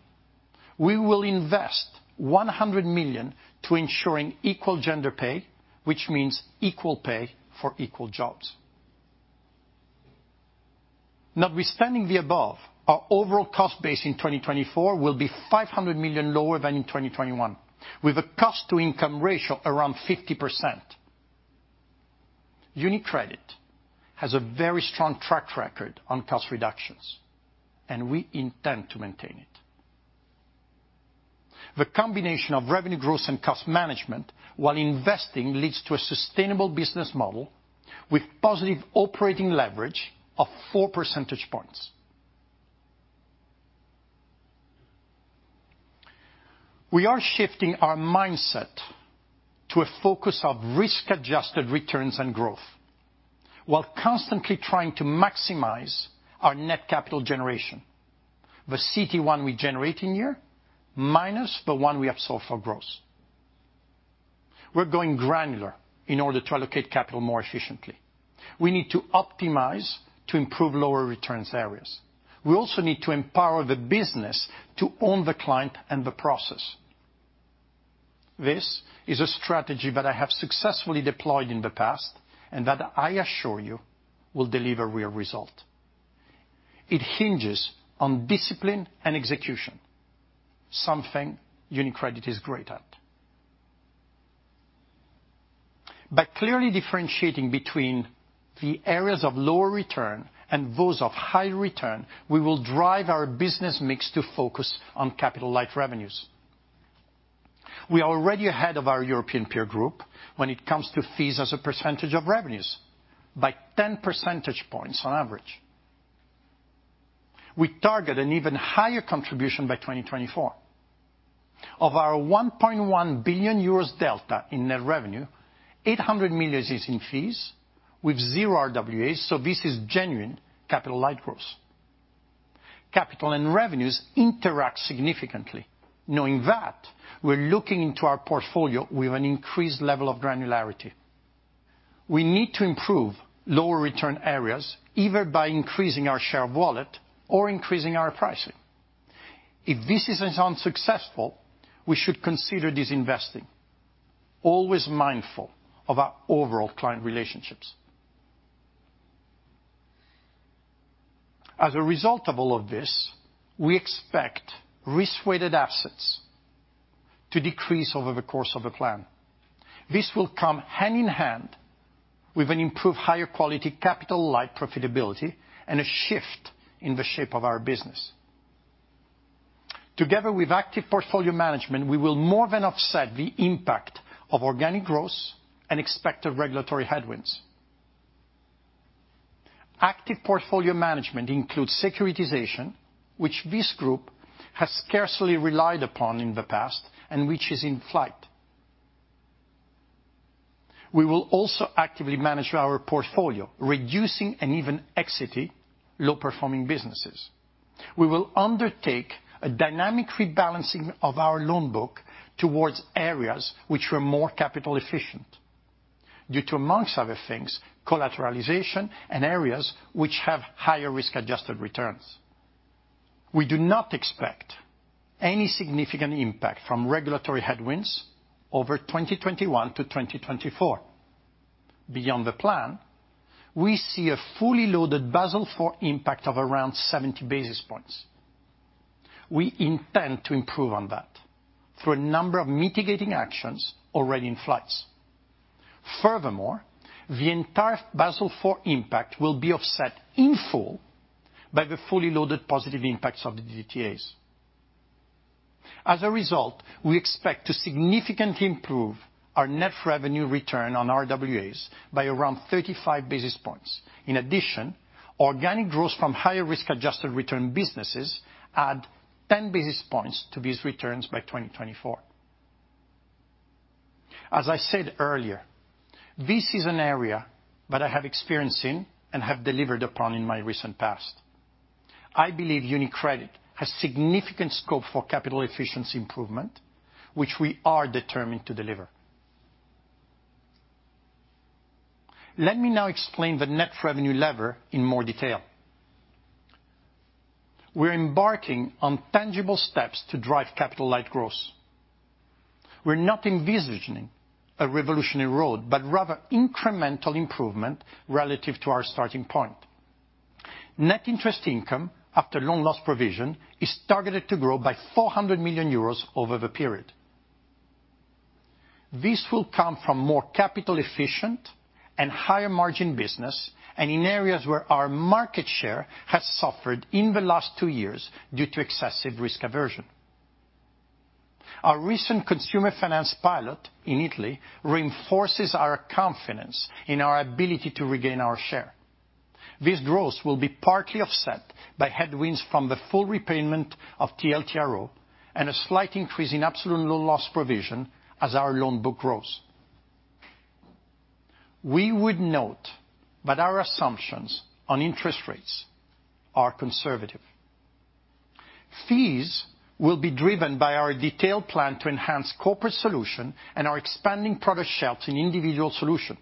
we will invest 100 million to ensuring equal gender pay, which means equal pay for equal jobs. Notwithstanding the above, our overall cost base in 2024 will be 500 million lower than in 2021, with a cost-to-income ratio around 50%. UniCredit has a very strong track record of cost reductions, and we intend to maintain it. The combination of revenue growth and cost management while investing leads to a sustainable business model with positive operating leverage of 4 percentage points. We are shifting our mindset to a focus on risk-adjusted returns and growth, while constantly trying to maximize our net capital generation, the CET1 we generate in a year minus the one we absorb for growth. We're going granular in order to allocate capital more efficiently. We need to optimize to improve lower-returns areas. We also need to empower the business to own the client and the process. This is a strategy that I have successfully deployed in the past and that I assure you will deliver real results. It hinges on discipline and execution, something UniCredit is great at. By clearly differentiating between the areas of lower return and those of high return, we will drive our business mix to focus on capital-light revenues. We are already ahead of our European peer group when it comes to fees as a percentage of revenues by 10 percentage points on average. We target an even higher contribution by 2024. Of our 1.1 billion euros delta in net revenue, 800 million is in fees with 0 RWAs, so this is genuine capital-light growth. Capital and revenues interact significantly. Knowing that, we're looking into our portfolio with an increased level of granularity. We need to improve lower-return areas, either by increasing our share of wallet or increasing our pricing. If this isn't successful, we should consider divesting, always mindful of our overall client relationships. As a result of all of this, we expect risk-weighted assets to decrease over the course of the plan. This will come hand in hand with improved, higher-quality, capital-light profitability and a shift in the shape of our business. Together with active portfolio management, we will more than offset the impact of organic growth and expected regulatory headwinds. Active portfolio management includes securitization, which this group has scarcely relied upon in the past and which is in flight. We will also actively manage our portfolio, reducing and even exiting low-performing businesses. We will undertake a dynamic rebalancing of our loan book towards areas that are more capital efficient due to, among other things, collateralization and areas that have higher risk-adjusted returns. We do not expect any significant impact from regulatory headwinds over 2021-2024. Beyond the plan, we see a fully loaded Basel IV impact of around 70 basis points. We intend to improve on that through a number of mitigating actions already in flight. Furthermore, the entire Basel IV impact will be offset in full by the fully loaded positive impacts of the DTAs. As a result, we expect to significantly improve our net revenue return on RWAs by around 35 basis points. In addition, organic growth from higher risk-adjusted return businesses adds 10 basis points to these returns by 2024. As I said earlier, this is an area that I have experience in and have delivered upon in my recent past. I believe UniCredit has significant scope for capital efficiency improvement, which we are determined to deliver. Let me now explain the net revenue lever in more detail. We're embarking on tangible steps to drive capital-light growth. We're not envisioning a revolutionary road, but rather incremental improvement relative to our starting point. Net interest income after loan loss provision is targeted to grow by 400 million euros over the period. This will come from more capital-efficient and higher-margin business and in areas where our market share has suffered in the last two years due to excessive risk aversion. Our recent consumer finance pilot in Italy reinforces our confidence in our ability to regain our share. This growth will be partly offset by headwinds from the full repayment of TLTRO and a slight increase in absolute loan loss provision as our loan book grows. We would note that our assumptions on interest rates are conservative. Fees will be driven by our detailed plan to enhance corporate solutions and our expanding product shelves in individual solutions,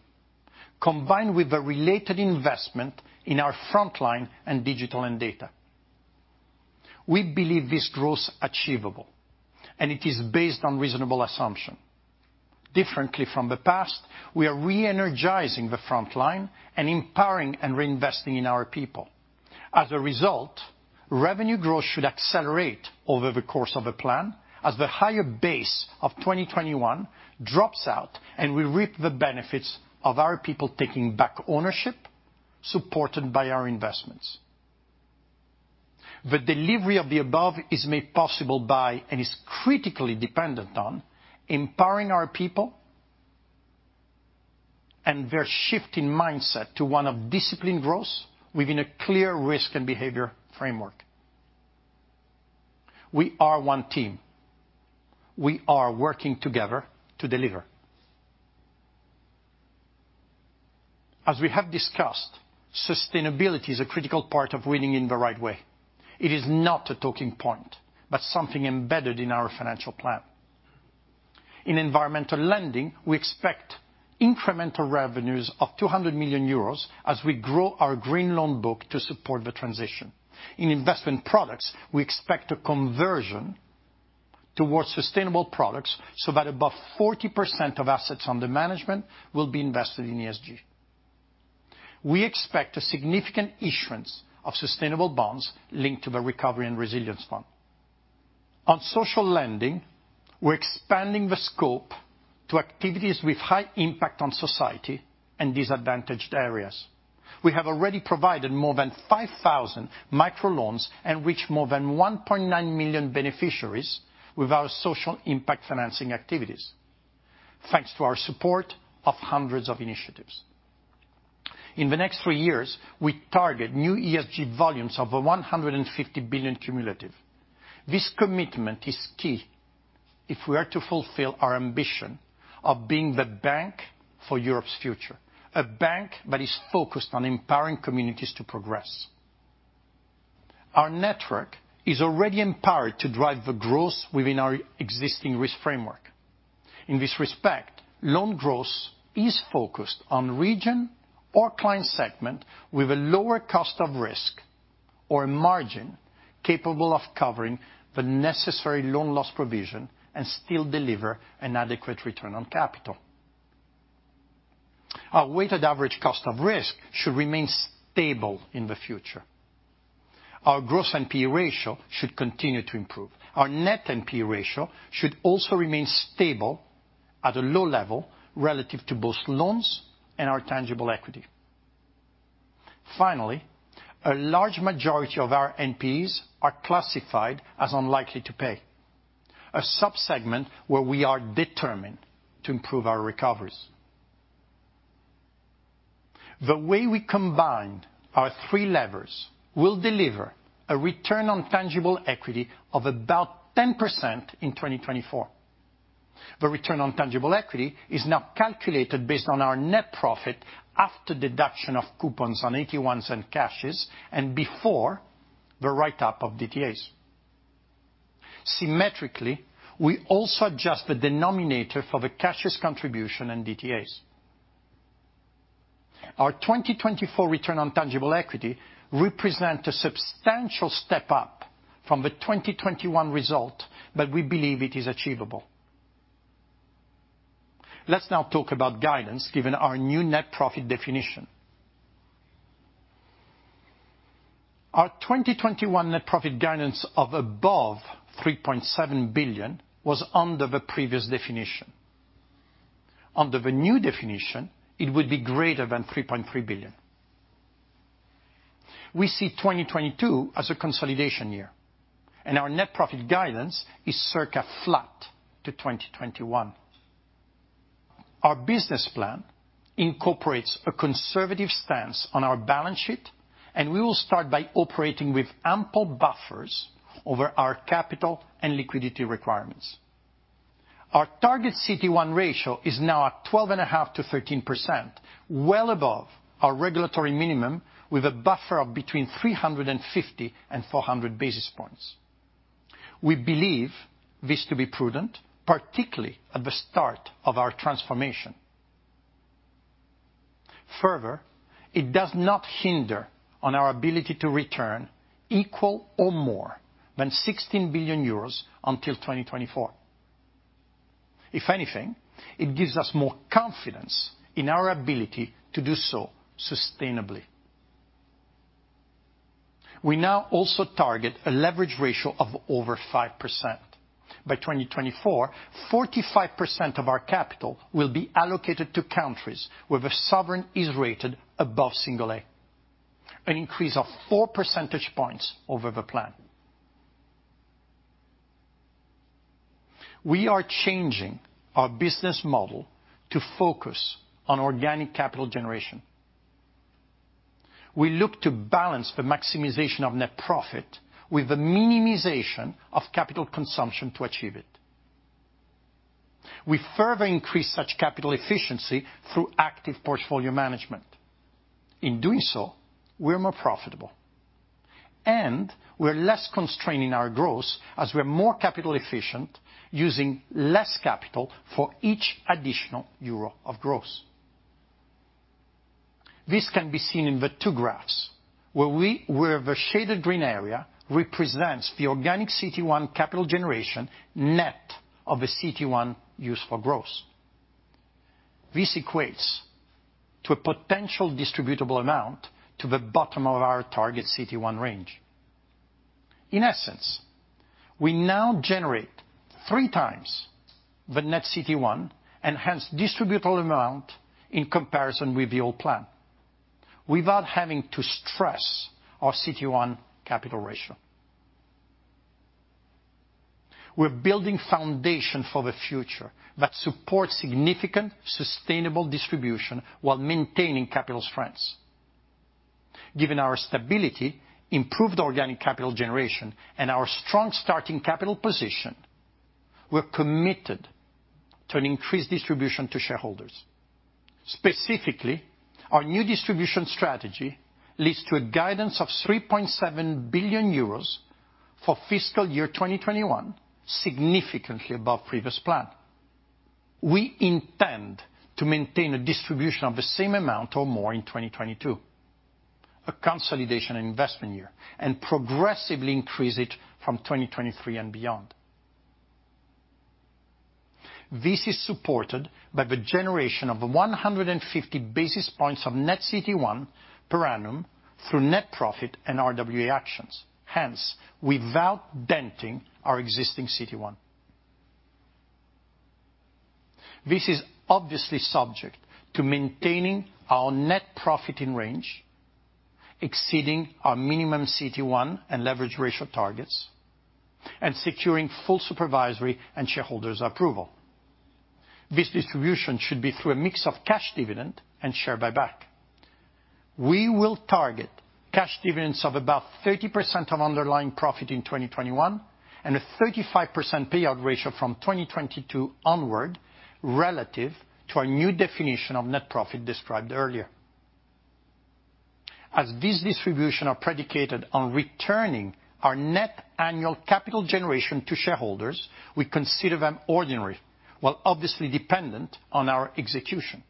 combined with a related investment in our frontline in digital and data. We believe this growth is achievable, and it is based on reasonable assumptions. Differently from the past, we are re-energizing the frontline and empowering and reinvesting in our people. As a result, revenue growth should accelerate over the course of the plan as the higher base of 2021 drops out, and we reap the benefits of our people taking back ownership, supported by our investments. The delivery of the above is made possible by, and is critically dependent on, empowering our people and their shift in mindset to one of disciplined growth within a clear risk and behavior framework. We are one team. We are working together to deliver. As we have discussed, sustainability is a critical part of winning in the right way. It is not a talking point, but something embedded in our financial plan. In environmental lending, we expect incremental revenues of 200 million euros as we grow our green loan book to support the transition. In investment products, we expect a conversion towards sustainable products so that over 40% of assets under management will be invested in ESG. We expect a significant issuance of sustainable bonds linked to the Recovery and Resilience Facility. On social lending, we're expanding the scope to activities with high impact on society and disadvantaged areas. We have already provided more than 5,000 microloans and reached more than 1.9 million beneficiaries with our social impact financing activities, thanks to our support of hundreds of initiatives. In the next three years, we target new ESG volumes of 150 billion cumulatively. This commitment is key if we are to fulfill our ambition of being the bank for Europe's future, a bank that is focused on empowering communities to progress. Our network is already empowered to drive growth within our existing risk framework. In this respect, loan growth is focused on regions or client segments with a lower cost of risk or a margin capable of covering the necessary loan loss provision and still delivering an adequate return on capital. Our weighted average cost of risk should remain stable in the future. Our gross NPE ratio should continue to improve. Our net NPE ratio should also remain stable at a low level relative to both loans and our tangible equity. Finally, a large majority of our NPEs are classified as unlikely to pay, a sub-segment where we are determined to improve our recoveries. The way we combine our three levers will deliver a return on tangible equity of about 10% in 2024. The return on tangible equity is now calculated based on our net profit after deduction of coupons on AT1s and CASHES and before the write-up of DTAs. Symmetrically, we also adjust the denominator for the CASHES contribution and DTAs. Our 2024 return on tangible equity represents a substantial step up from the 2021 result, but we believe it is achievable. Let's now talk about guidance given our new net profit definition. Our 2021 net profit guidance of above 3.7 billion was under the previous definition. Under the new definition, it would be greater than 3.3 billion. We see 2022 as a consolidation year, and our net profit guidance is circa flat to 2021. Our business plan incorporates a conservative stance on our balance sheet, and we will start by operating with ample buffers over our capital and liquidity requirements. Our target CET1 ratio is now at 12.5%-13%, well above our regulatory minimum with a buffer of between 350 and 400 basis points. We believe this to be prudent, particularly at the start of our transformation. Further, it does not impinge on our ability to return equal to or more than 16 billion euros until 2024. If anything, it gives us more confidence in our ability to do so sustainably. We now also target a leverage ratio of over 5%. By 2024, 45% of our capital will be allocated to countries where the sovereign is rated above single A, an increase of 4 percentage points over the plan. We are changing our business model to focus on organic capital generation. We look to balance the maximization of net profit with the minimization of capital consumption to achieve it. We further increase such capital efficiency through active portfolio management. In doing so, we're more profitable, and we're less constrained in our growth as we're more capital efficient, using less capital for each additional euro of growth. This can be seen in the two graphs, where the shaded green area represents the organic CET1 capital generation net of the CET1 used for growth. This equates to a potential distributable amount at the bottom of our target CET1 range. In essence, we now generate three times the net CET1, and hence distributable amount, in comparison with the old plan, without having to stress our CET1 capital ratio. We're building a foundation for the future that supports significant sustainable distribution while maintaining capital strengths. Given our stability, improved organic capital generation, and our strong starting capital position, we're committed to an increased distribution to shareholders. Specifically, our new distribution strategy leads to guidance of 3.7 billion euros for fiscal year 2021, significantly above the previous plan. We intend to maintain a distribution of the same amount or more in 2022, a consolidation and investment year, and progressively increase it from 2023 and beyond. This is supported by the generation of 150 basis points of net CET1 per annum through net profit and RWA actions, hence without denting our existing CET1. This is obviously subject to maintaining our net profit in range, exceeding our minimum CET1 and leverage ratio targets, and securing full supervisory and shareholder approval. This distribution should be through a mix of cash dividends and share buybacks. We will target cash dividends of about 30% of underlying profit in 2021, and a 30% payout ratio from 2022 onward, relative to our new definition of net profit described earlier. As these distributions are predicated on returning our net annual capital generation to shareholders, we consider them ordinary, while obviously dependent on our execution.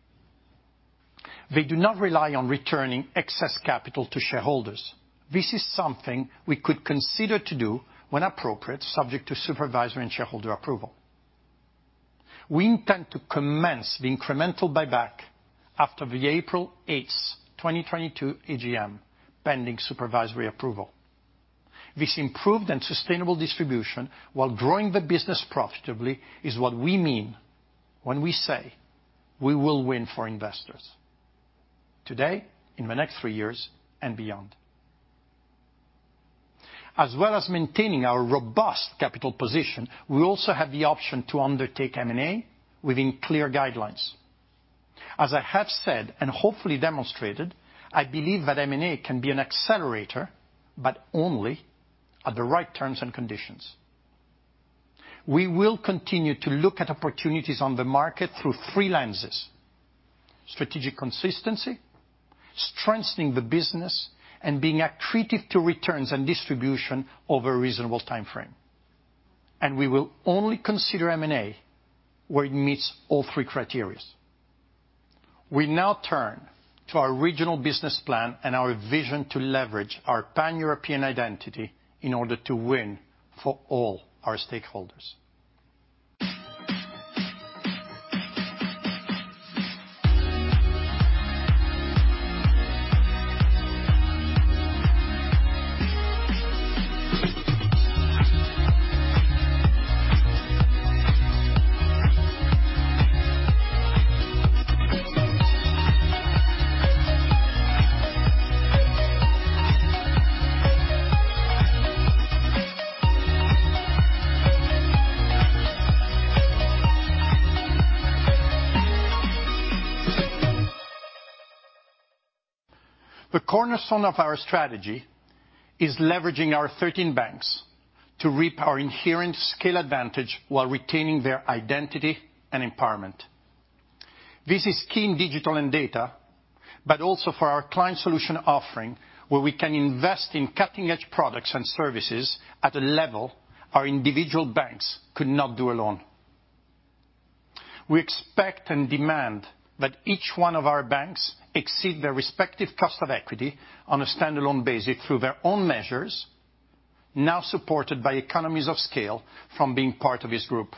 They do not rely on returning excess capital to shareholders. This is something we could consider doing when appropriate, subject to supervisory and shareholder approval. We intend to commence the incremental buyback after the April 8, 2022 AGM, pending supervisory approval. This improved and sustainable distribution while growing the business profitably is what we mean when we say we will win for investors today, in the next three years, and beyond. As well as maintaining our robust capital position, we also have the option to undertake M&A within clear guidelines. As I have said, and hopefully demonstrated, I believe that M&A can be an accelerator, but only at the right terms and conditions. We will continue to look at opportunities on the market through three lenses: strategic consistency, strengthening the business, and being accretive to returns and distribution over a reasonable timeframe. We will only consider M&A where it meets all three criteria. We now turn to our regional business plan and our vision to leverage our pan-European identity in order to win for all our stakeholders. The cornerstone of our strategy is leveraging our 13 banks to reap our inherent scale advantage while retaining their identity and empowerment. This is key in digital and data, but also for our client solution offering, where we can invest in cutting-edge products and services at a level our individual banks could not do alone. We expect and demand that each of our banks exceed its respective cost of equity on a standalone basis through its own measures, now supported by economies of scale from being part of this group.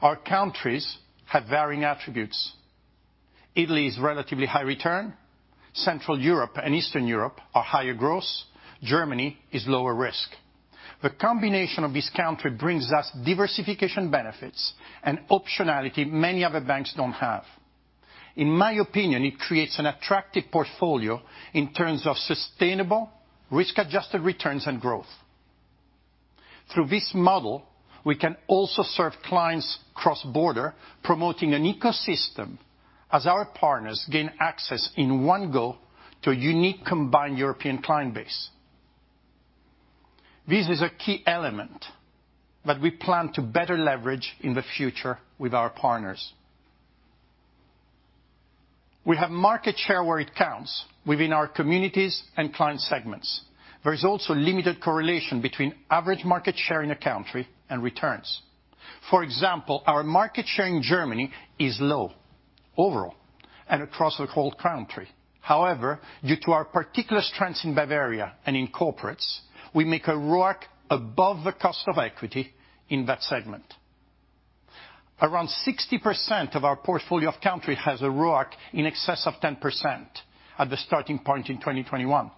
Our countries have varying attributes. Italy is relatively high return. Central and Eastern Europe are higher growth. Germany is lower risk. The combination of these countries brings us diversification benefits and optionality many other banks don't have. In my opinion, it creates an attractive portfolio in terms of sustainable risk-adjusted returns and growth. Through this model, we can also serve clients cross-border, promoting an ecosystem as our partners gain access in one go to a unique combined European client base. This is a key element that we plan to better leverage in the future with our partners. We have market share where it counts within our communities and client segments. There is also limited correlation between average market share in a country and returns. For example, our market share in Germany is low overall and across the whole country. However, due to our particular strengths in Bavaria and in corporates, we make an ROIC above the cost of equity in that segment. Around 60% of our portfolio of countries has a ROIC in excess of 10% at the starting point in 2021.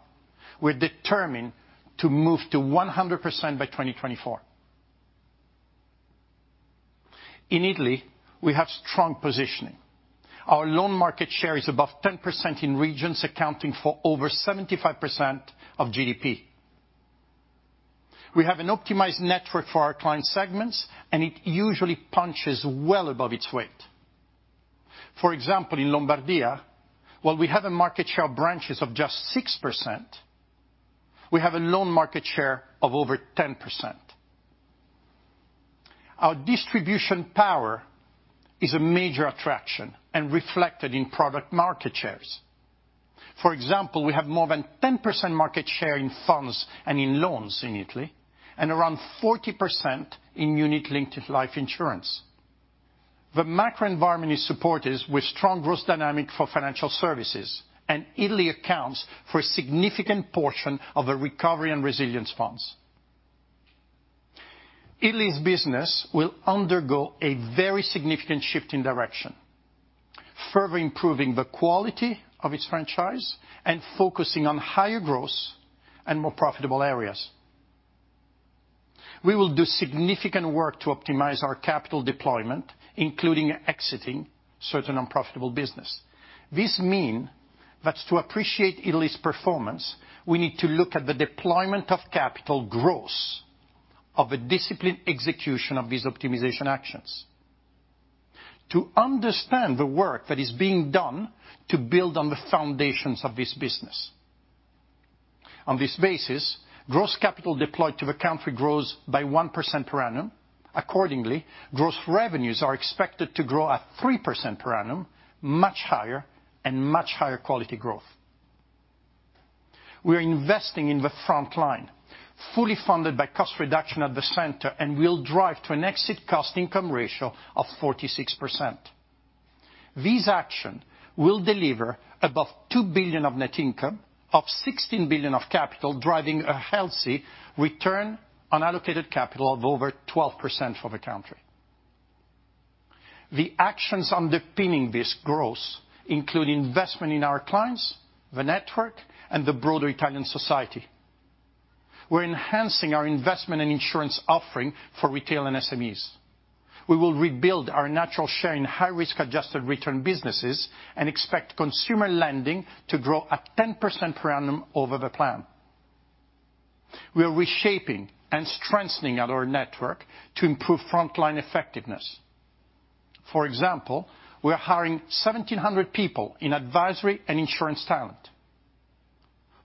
We're determined to move to 100% by 2024. In Italy, we have strong positioning. Our loan market share is above 10% in regions accounting for over 75% of GDP. We have an optimized network for our client segments, and it usually punches well above its weight. For example, in Lombardy, while we have a market share of branches of just 6%, we have a loan market share of over 10%. Our distribution power is a major attraction and reflected in product market shares. For example, we have more than 10% market share in funds and in loans in Italy and around 40% in unit-linked life insurance. The macro environment is supportive with strong growth dynamics for financial services, and Italy accounts for a significant portion of the Recovery and Resilience Funds. Italy's business will undergo a very significant shift in direction, further improving the quality of its franchise and focusing on higher growth and more profitable areas. We will do significant work to optimize our capital deployment, including exiting certain unprofitable businesses. This means that to appreciate Italy's performance, we need to look at the deployment of capital and the growth of a disciplined execution of these optimization actions to understand the work that is being done to build on the foundations of this business. On this basis, gross capital deployed to the country grows by 1% per annum. Accordingly, gross revenues are expected to grow at 3% per annum, much higher and much higher quality growth. We are investing in the frontline, fully funded by cost reduction at the center, and will drive to an exit cost-income ratio of 46%. These actions will deliver above 2 billion of net income, up 16 billion of capital, driving a healthy return on allocated capital of over 12% for the country. The actions underpinning this growth include investment in our clients, the network, and broader Italian society. We're enhancing our investment and insurance offering for retail and SMEs. We will rebuild our natural share in high-risk-adjusted return businesses and expect consumer lending to grow at 10% per annum over the plan. We are reshaping and strengthening our network to improve frontline effectiveness. For example, we are hiring 1,700 people in advisory and insurance talent.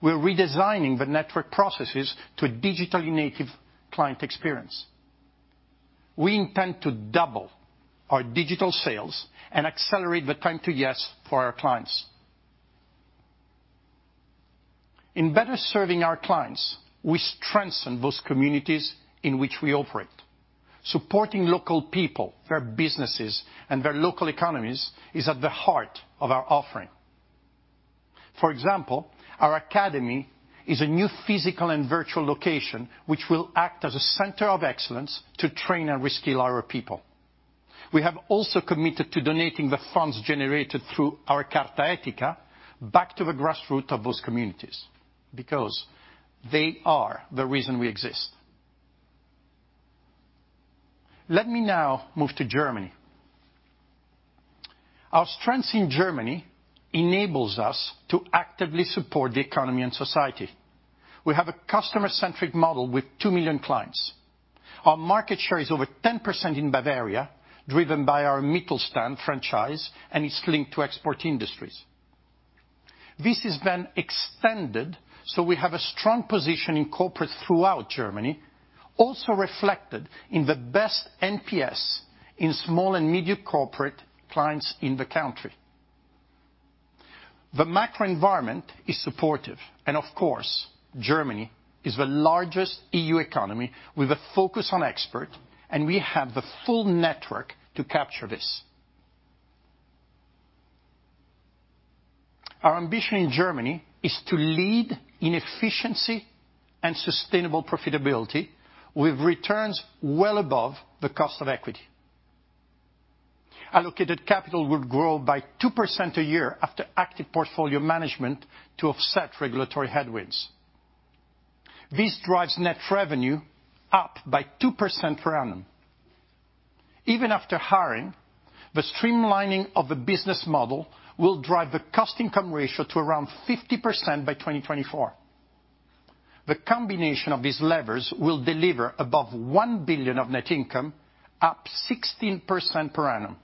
We're redesigning the network processes for a digitally native client experience. We intend to double our digital sales and accelerate the time to "yes" for our clients. In better serving our clients, we strengthen the communities in which we operate. Supporting local people, their businesses, and their local economies is at the heart of our offering. For example, our academy is a new physical and virtual location that will act as a center of excellence to train and reskill our people. We have also committed to donating the funds generated through our Carta Etica back to the grassroots of those communities because they are the reason we exist. Let me now move to Germany. Our strengths in Germany enable us to actively support the economy and society. We have a customer-centric model with 2 million clients. Our market share is over 10% in Bavaria, driven by our Mittelstand franchise, and it's linked to export industries. This has been extended, so we have a strong position in corporate banking throughout Germany, also reflected in the best NPS among small and medium corporate clients in the country. The macro environment is supportive. Of course, Germany is the largest E.U. economy with a focus on export, and we have the full network to capture this. Our ambition in Germany is to lead in efficiency and sustainable profitability with returns well above the cost of equity. Allocated capital will grow by 2% a year after active portfolio management to offset regulatory headwinds. This drives net revenue up by 2% per annum. Even after hiring, the streamlining of the business model will drive the cost-to-income ratio to around 50% by 2024. The combination of these levers will deliver above 1 billion of net income, up 16% per annum.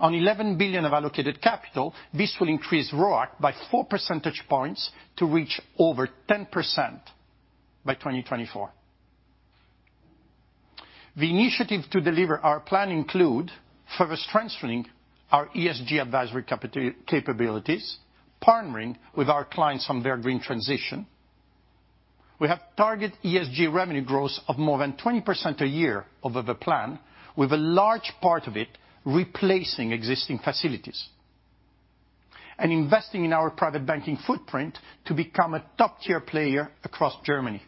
On 11 billion of allocated capital, this will increase ROIC by 4 percentage points to reach over 10% by 2024. The initiatives to deliver our plan include further strengthening our ESG advisory capabilities, partnering with our clients on their green transition. We have targeted ESG revenue growth of more than 20% a year over the plan, with a large part of it replacing existing facilities. We are investing in our private banking footprint to become a top-tier player across Germany.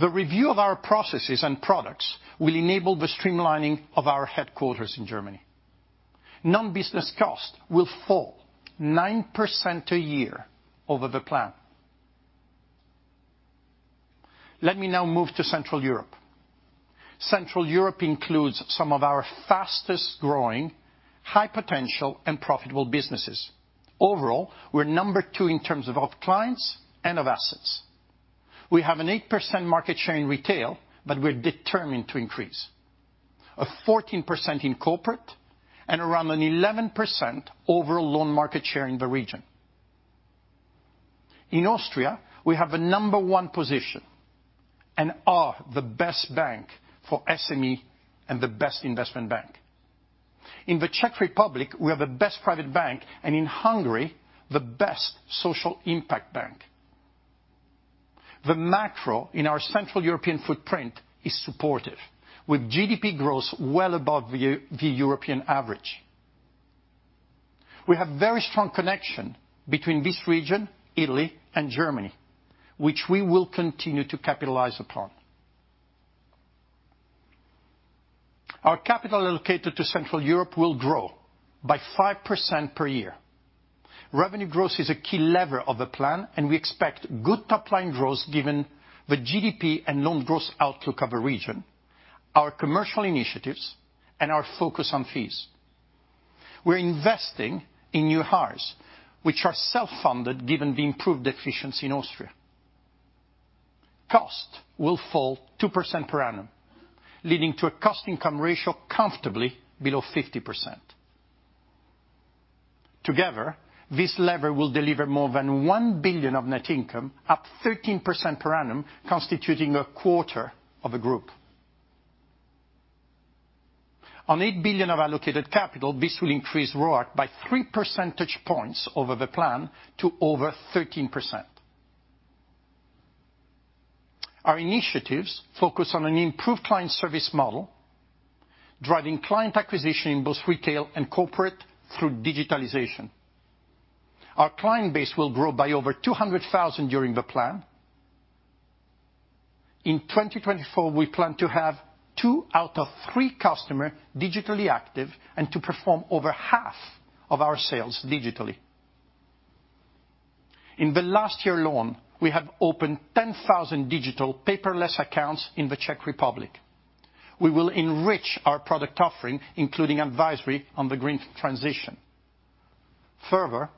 The review of our processes and products will enable the streamlining of our headquarters in Germany. Non-business costs will fall 9% a year over the plan. Let me now move to Central Europe. Central Europe includes some of our fastest-growing, high-potential, and profitable businesses. Overall, we're number two in terms of clients and assets. We have an 8% market share in retail that we're determined to increase, 14% in corporate, and an overall loan market share of around 11% in the region. In Austria, we hold the number one position and are recognized as the best bank for SMEs and the best investment bank. In the Czech Republic, we are the best private bank, and in Hungary, the best social impact bank. The macroeconomic environment in our Central European footprint is supportive, with GDP growth well above the European average. We have a very strong connection between this region, Italy, and Germany, which we will continue to capitalize on. Our capital allocated to Central Europe will grow by 5% per year. Revenue growth is a key lever of the plan, and we expect good top-line growth given the GDP and loan growth outlook of the region, our commercial initiatives, and our focus on fees. We're investing in new hires, which are self-funded given the improved efficiency in Austria. Costs will fall 2% per annum, leading to a cost/income ratio comfortably below 50%. Together, this lever will deliver more than 1 billion of net income, up 13% per annum, constituting a quarter of the group. On 8 billion of allocated capital, this will increase ROIC by 3 percentage points over the plan to over 13%. Our initiatives focus on an improved client service model, driving client acquisition in both retail and corporate through digitalization. Our client base will grow by over 200,000 during the plan. In 2024, we plan to have two-thirds of our customers digitally active and to perform over half of our sales digitally. In the last year alone, we have opened 10,000 digital paperless accounts in the Czech Republic. We will enrich our product offering, including advisory on the green transition. Furthermore,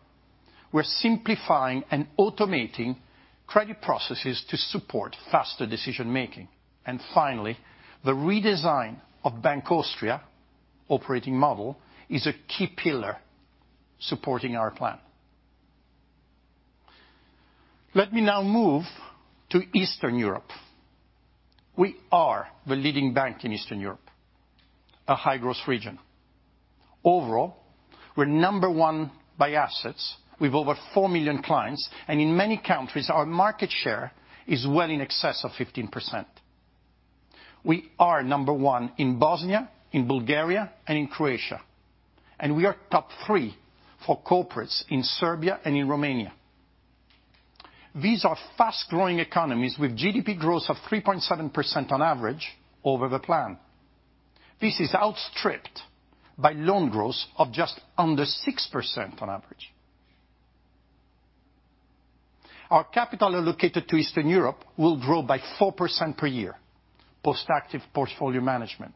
we're simplifying and automating credit processes to support faster decision-making. Finally, the redesign of Bank Austria's operating model is a key pillar supporting our plan. Let me now move to Eastern Europe. We are the leading bank in Eastern Europe, a high-growth region. Overall, we're number one by assets with over 4 million clients, and in many countries, our market share is well in excess of 15%. We are number one in Bosnia, Bulgaria, and Croatia, and we are top three for corporates in Serbia and Romania. These are fast-growing economies with GDP growth of 3.7% on average over the plan. This is outstripped by loan growth of just under 6% on average. Our capital allocated to Eastern Europe will grow by 4% per year post active portfolio management.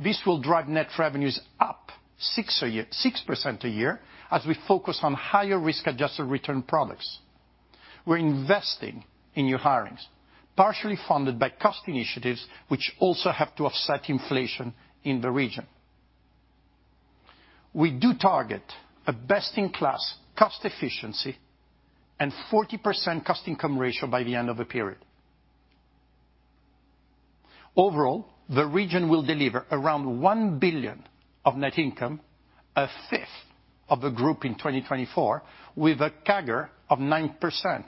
This will drive net revenues up 6% a year as we focus on higher risk-adjusted return products. We're investing in new hirings, partially funded by cost initiatives, which also have to offset inflation in the region. We do target best-in-class cost efficiency and a 40% cost-income ratio by the end of the period. Overall, the region will deliver around 1 billion of net income, a fifth of the group in 2024, with a CAGR of 9%.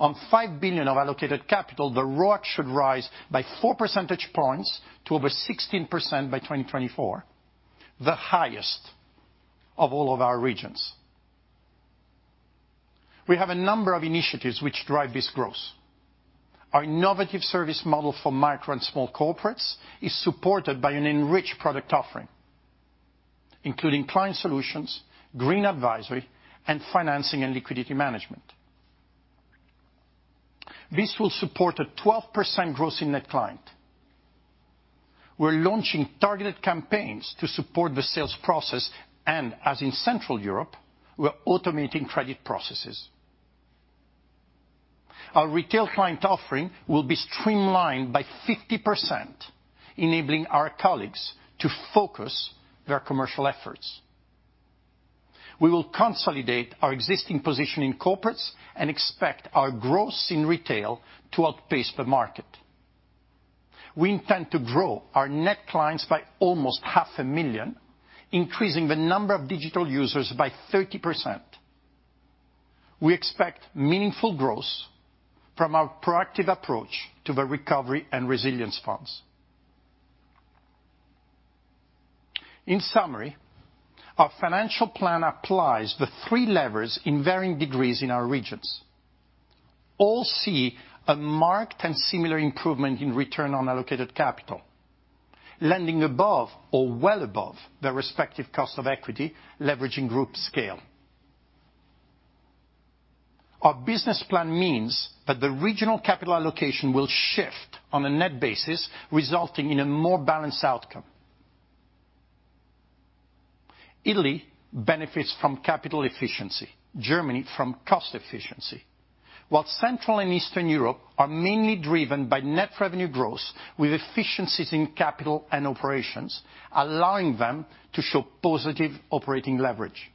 On 5 billion of allocated capital, the ROIC should rise by 4 percentage points to over 16% by 2024, the highest of all our regions. We have a number of initiatives which drive this growth. Our innovative service model for micro and small corporates is supported by an enriched product offering, including client solutions, green advisory, and financing and liquidity management. This will support a 12% growth in net clients. We're launching targeted campaigns to support the sales process, and as in Central Europe, we're automating credit processes. Our retail client offering will be streamlined by 50%, enabling our colleagues to focus their commercial efforts. We will consolidate our existing position in corporates and expect our growth in retail to outpace the market. We intend to grow our net clients by almost 500,000, increasing the number of digital users by 30%. We expect meaningful growth from our proactive approach to the recovery and resilience funds. In summary, our financial plan applies the three levers in varying degrees in our regions. All see a marked and similar improvement in return on allocated capital, landing above or well above their respective cost of equity, leveraging group scale. Our business plan means that the regional capital allocation will shift on a net basis, resulting in a more balanced outcome. Italy benefits from capital efficiency, Germany from cost efficiency, while Central and Eastern Europe are mainly driven by net revenue growth with efficiencies in capital and operations, allowing them to show positive operating leverage.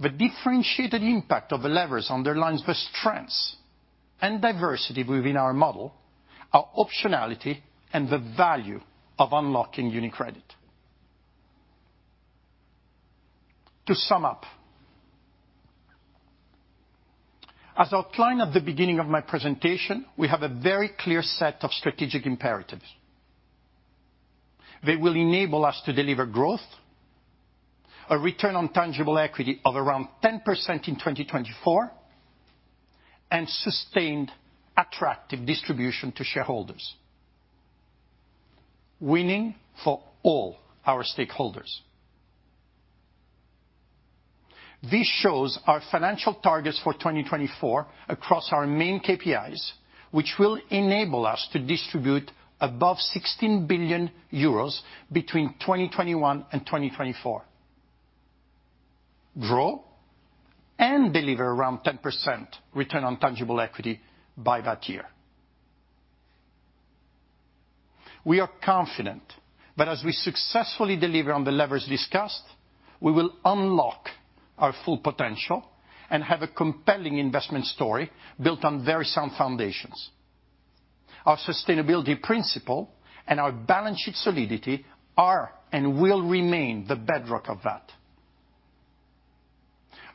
The differentiated impact of the levers underlines the strengths and diversity within our model, our optionality, and the value of unlocking UniCredit. To sum up, as outlined at the beginning of my presentation, we have a very clear set of strategic imperatives. These will enable us to deliver growth, a return on tangible equity of around 10% in 2024, and sustained attractive distribution to shareholders, winning for all our stakeholders. This shows our financial targets for 2024 across our main KPIs, which will enable us to distribute above 16 billion euros between 2021 and 2024, and deliver around 10% return on tangible equity by that year. We are confident that as we successfully deliver on the levers discussed, we will unlock our full potential and have a compelling investment story built on very sound foundations. Our sustainability principles and our balance sheet solidity are and will remain the bedrock of that.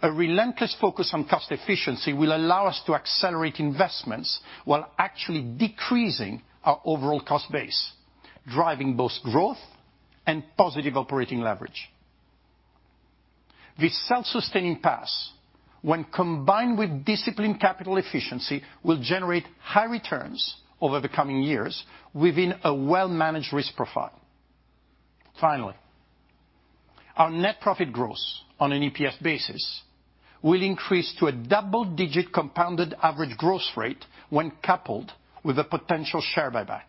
A relentless focus on cost efficiency will allow us to accelerate investments while actually decreasing our overall cost base, driving both growth and positive operating leverage. This self-sustaining path, when combined with disciplined capital efficiency, will generate high returns over the coming years within a well-managed risk profile. Finally, our net profit growth on an EPS basis will increase to a double-digit compounded average growth rate when coupled with a potential share buyback.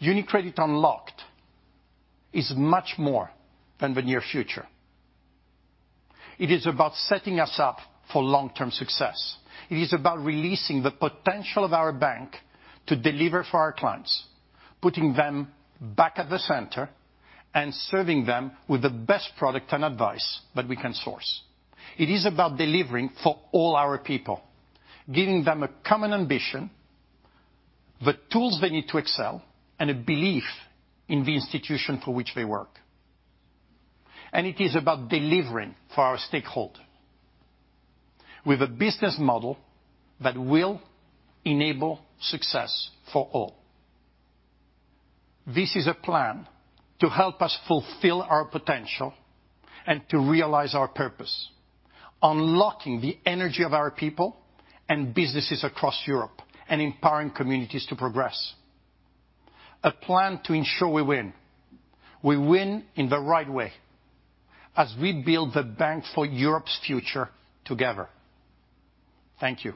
UniCredit Unlocked is much more than the near future. It is about setting us up for long-term success. It is about releasing the potential of our bank to deliver for our clients, putting them back at the center, and serving them with the best product and advice that we can source. It is about delivering for all our people, giving them a common ambition, the tools they need to excel, and a belief in the institution for which they work. It is also about delivering for our stakeholders with a business model that will enable success for all. This is a plan to help us fulfill our potential and to realize our purpose, unlocking the energy of our people and businesses across Europe and empowering communities to progress—a plan to ensure we win. We will win in the right way as we build the Bank for Europe's future together. Thank you.